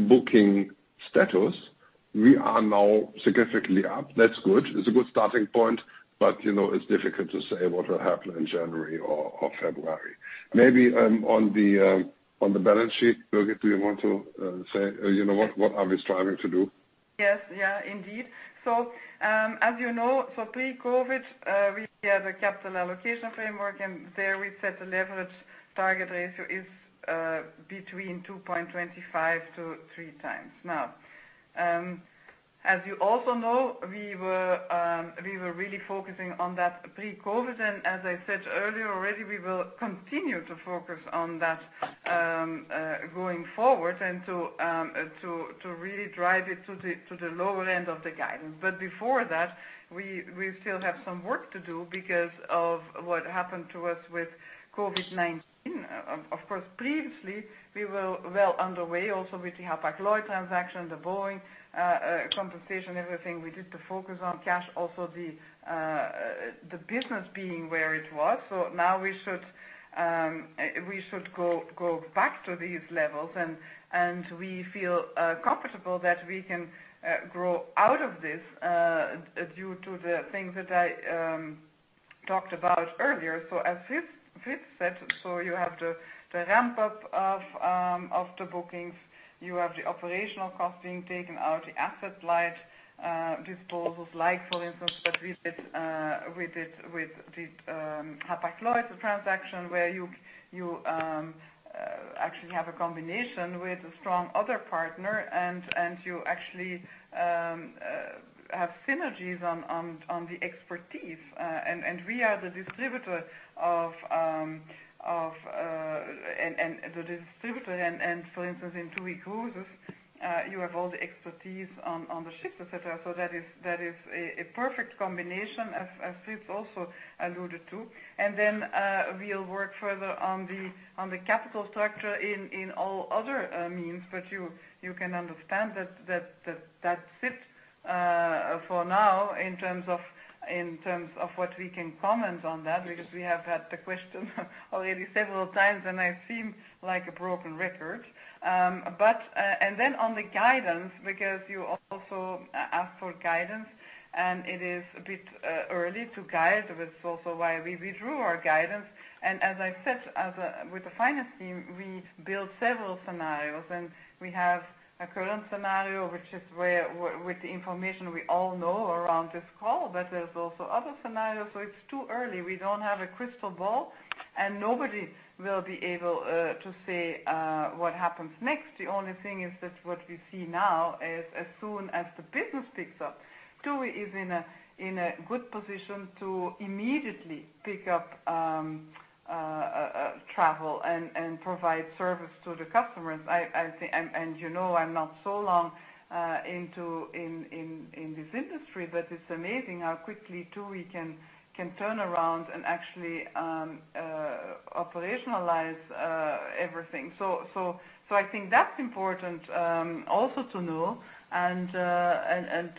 booking status, we are now significantly up. That's good. It's a good starting point, but it's difficult to say what will happen in January or February. Maybe on the balance sheet, Birgit, do you want to say what are we striving to do? Yes. Indeed. As you know, for pre-COVID, we had a capital allocation framework, and there we set the leverage target ratio is between 2.25x to 3x. As you also know, we were really focusing on that pre-COVID, and as I said earlier already, we will continue to focus on that going forward and to really drive it to the lower end of the guidance. Before that, we still have some work to do because of what happened to us with COVID-19. Previously, we were well underway also with the Hapag-Lloyd transaction, the Boeing compensation, everything we did to focus on cash, also the business being where it was. Now we should go back to these levels, and we feel comfortable that we can grow out of this due to the things that I talked about earlier. As Fritz said, you have the ramp-up of the bookings. You have the operational cost being taken out, the asset light disposals like for instance, that we did with the Hapag-Lloyd transaction. Where you actually have a combination with a strong other partner and you actually have synergies on the expertise. We are the distributor and for instance, in TUI Cruises, you have all the expertise on the ships, et cetera. That is a perfect combination as Fritz also alluded to. Then, we'll work further on the capital structure in all other means. You can understand that's it for now, in terms of what we can comment on that, because we have had the question already several times, and I seem like a broken record. Then on the guidance, because you also asked for guidance, and it is a bit early to guide. That is also why we withdrew our guidance. As I said, with the finance team, we built several scenarios and we have a current scenario, which is with the information we all know around this call, but there's also other scenarios. It's too early. We don't have a crystal ball and nobody will be able to say what happens next. The only thing is that what we see now is as soon as the business picks up, TUI is in a good position to immediately pick up travel and provide service to the customers. You know I'm not so long in this industry, but it's amazing how quickly TUI can turn around and actually operationalize everything. I think that's important, also to know and,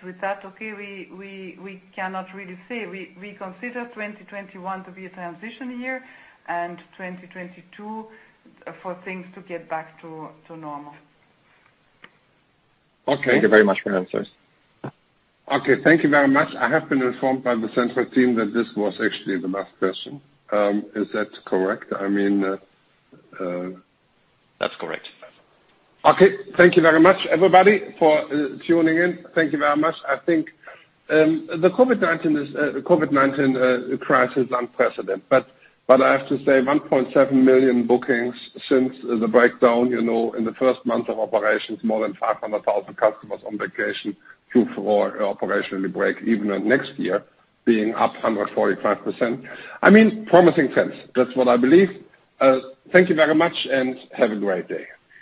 with that, okay, we cannot really say. We consider 2021 to be a transition year, and 2022 for things to get back to normal. Okay. Thank you very much for your answers. Okay. Thank you very much. I have been informed by the central team that this was actually the last question. Is that correct? That's correct. Okay. Thank you very much everybody for tuning in. Thank you very much. I think the COVID-19 crisis is unprecedented, but I have to say 1.7 million bookings since the breakdown, in the first month of operations, more than 500,000 customers on vacation through for operational break even on next year being up 145%. Promising trends. That's what I believe. Thank you very much and have a great day.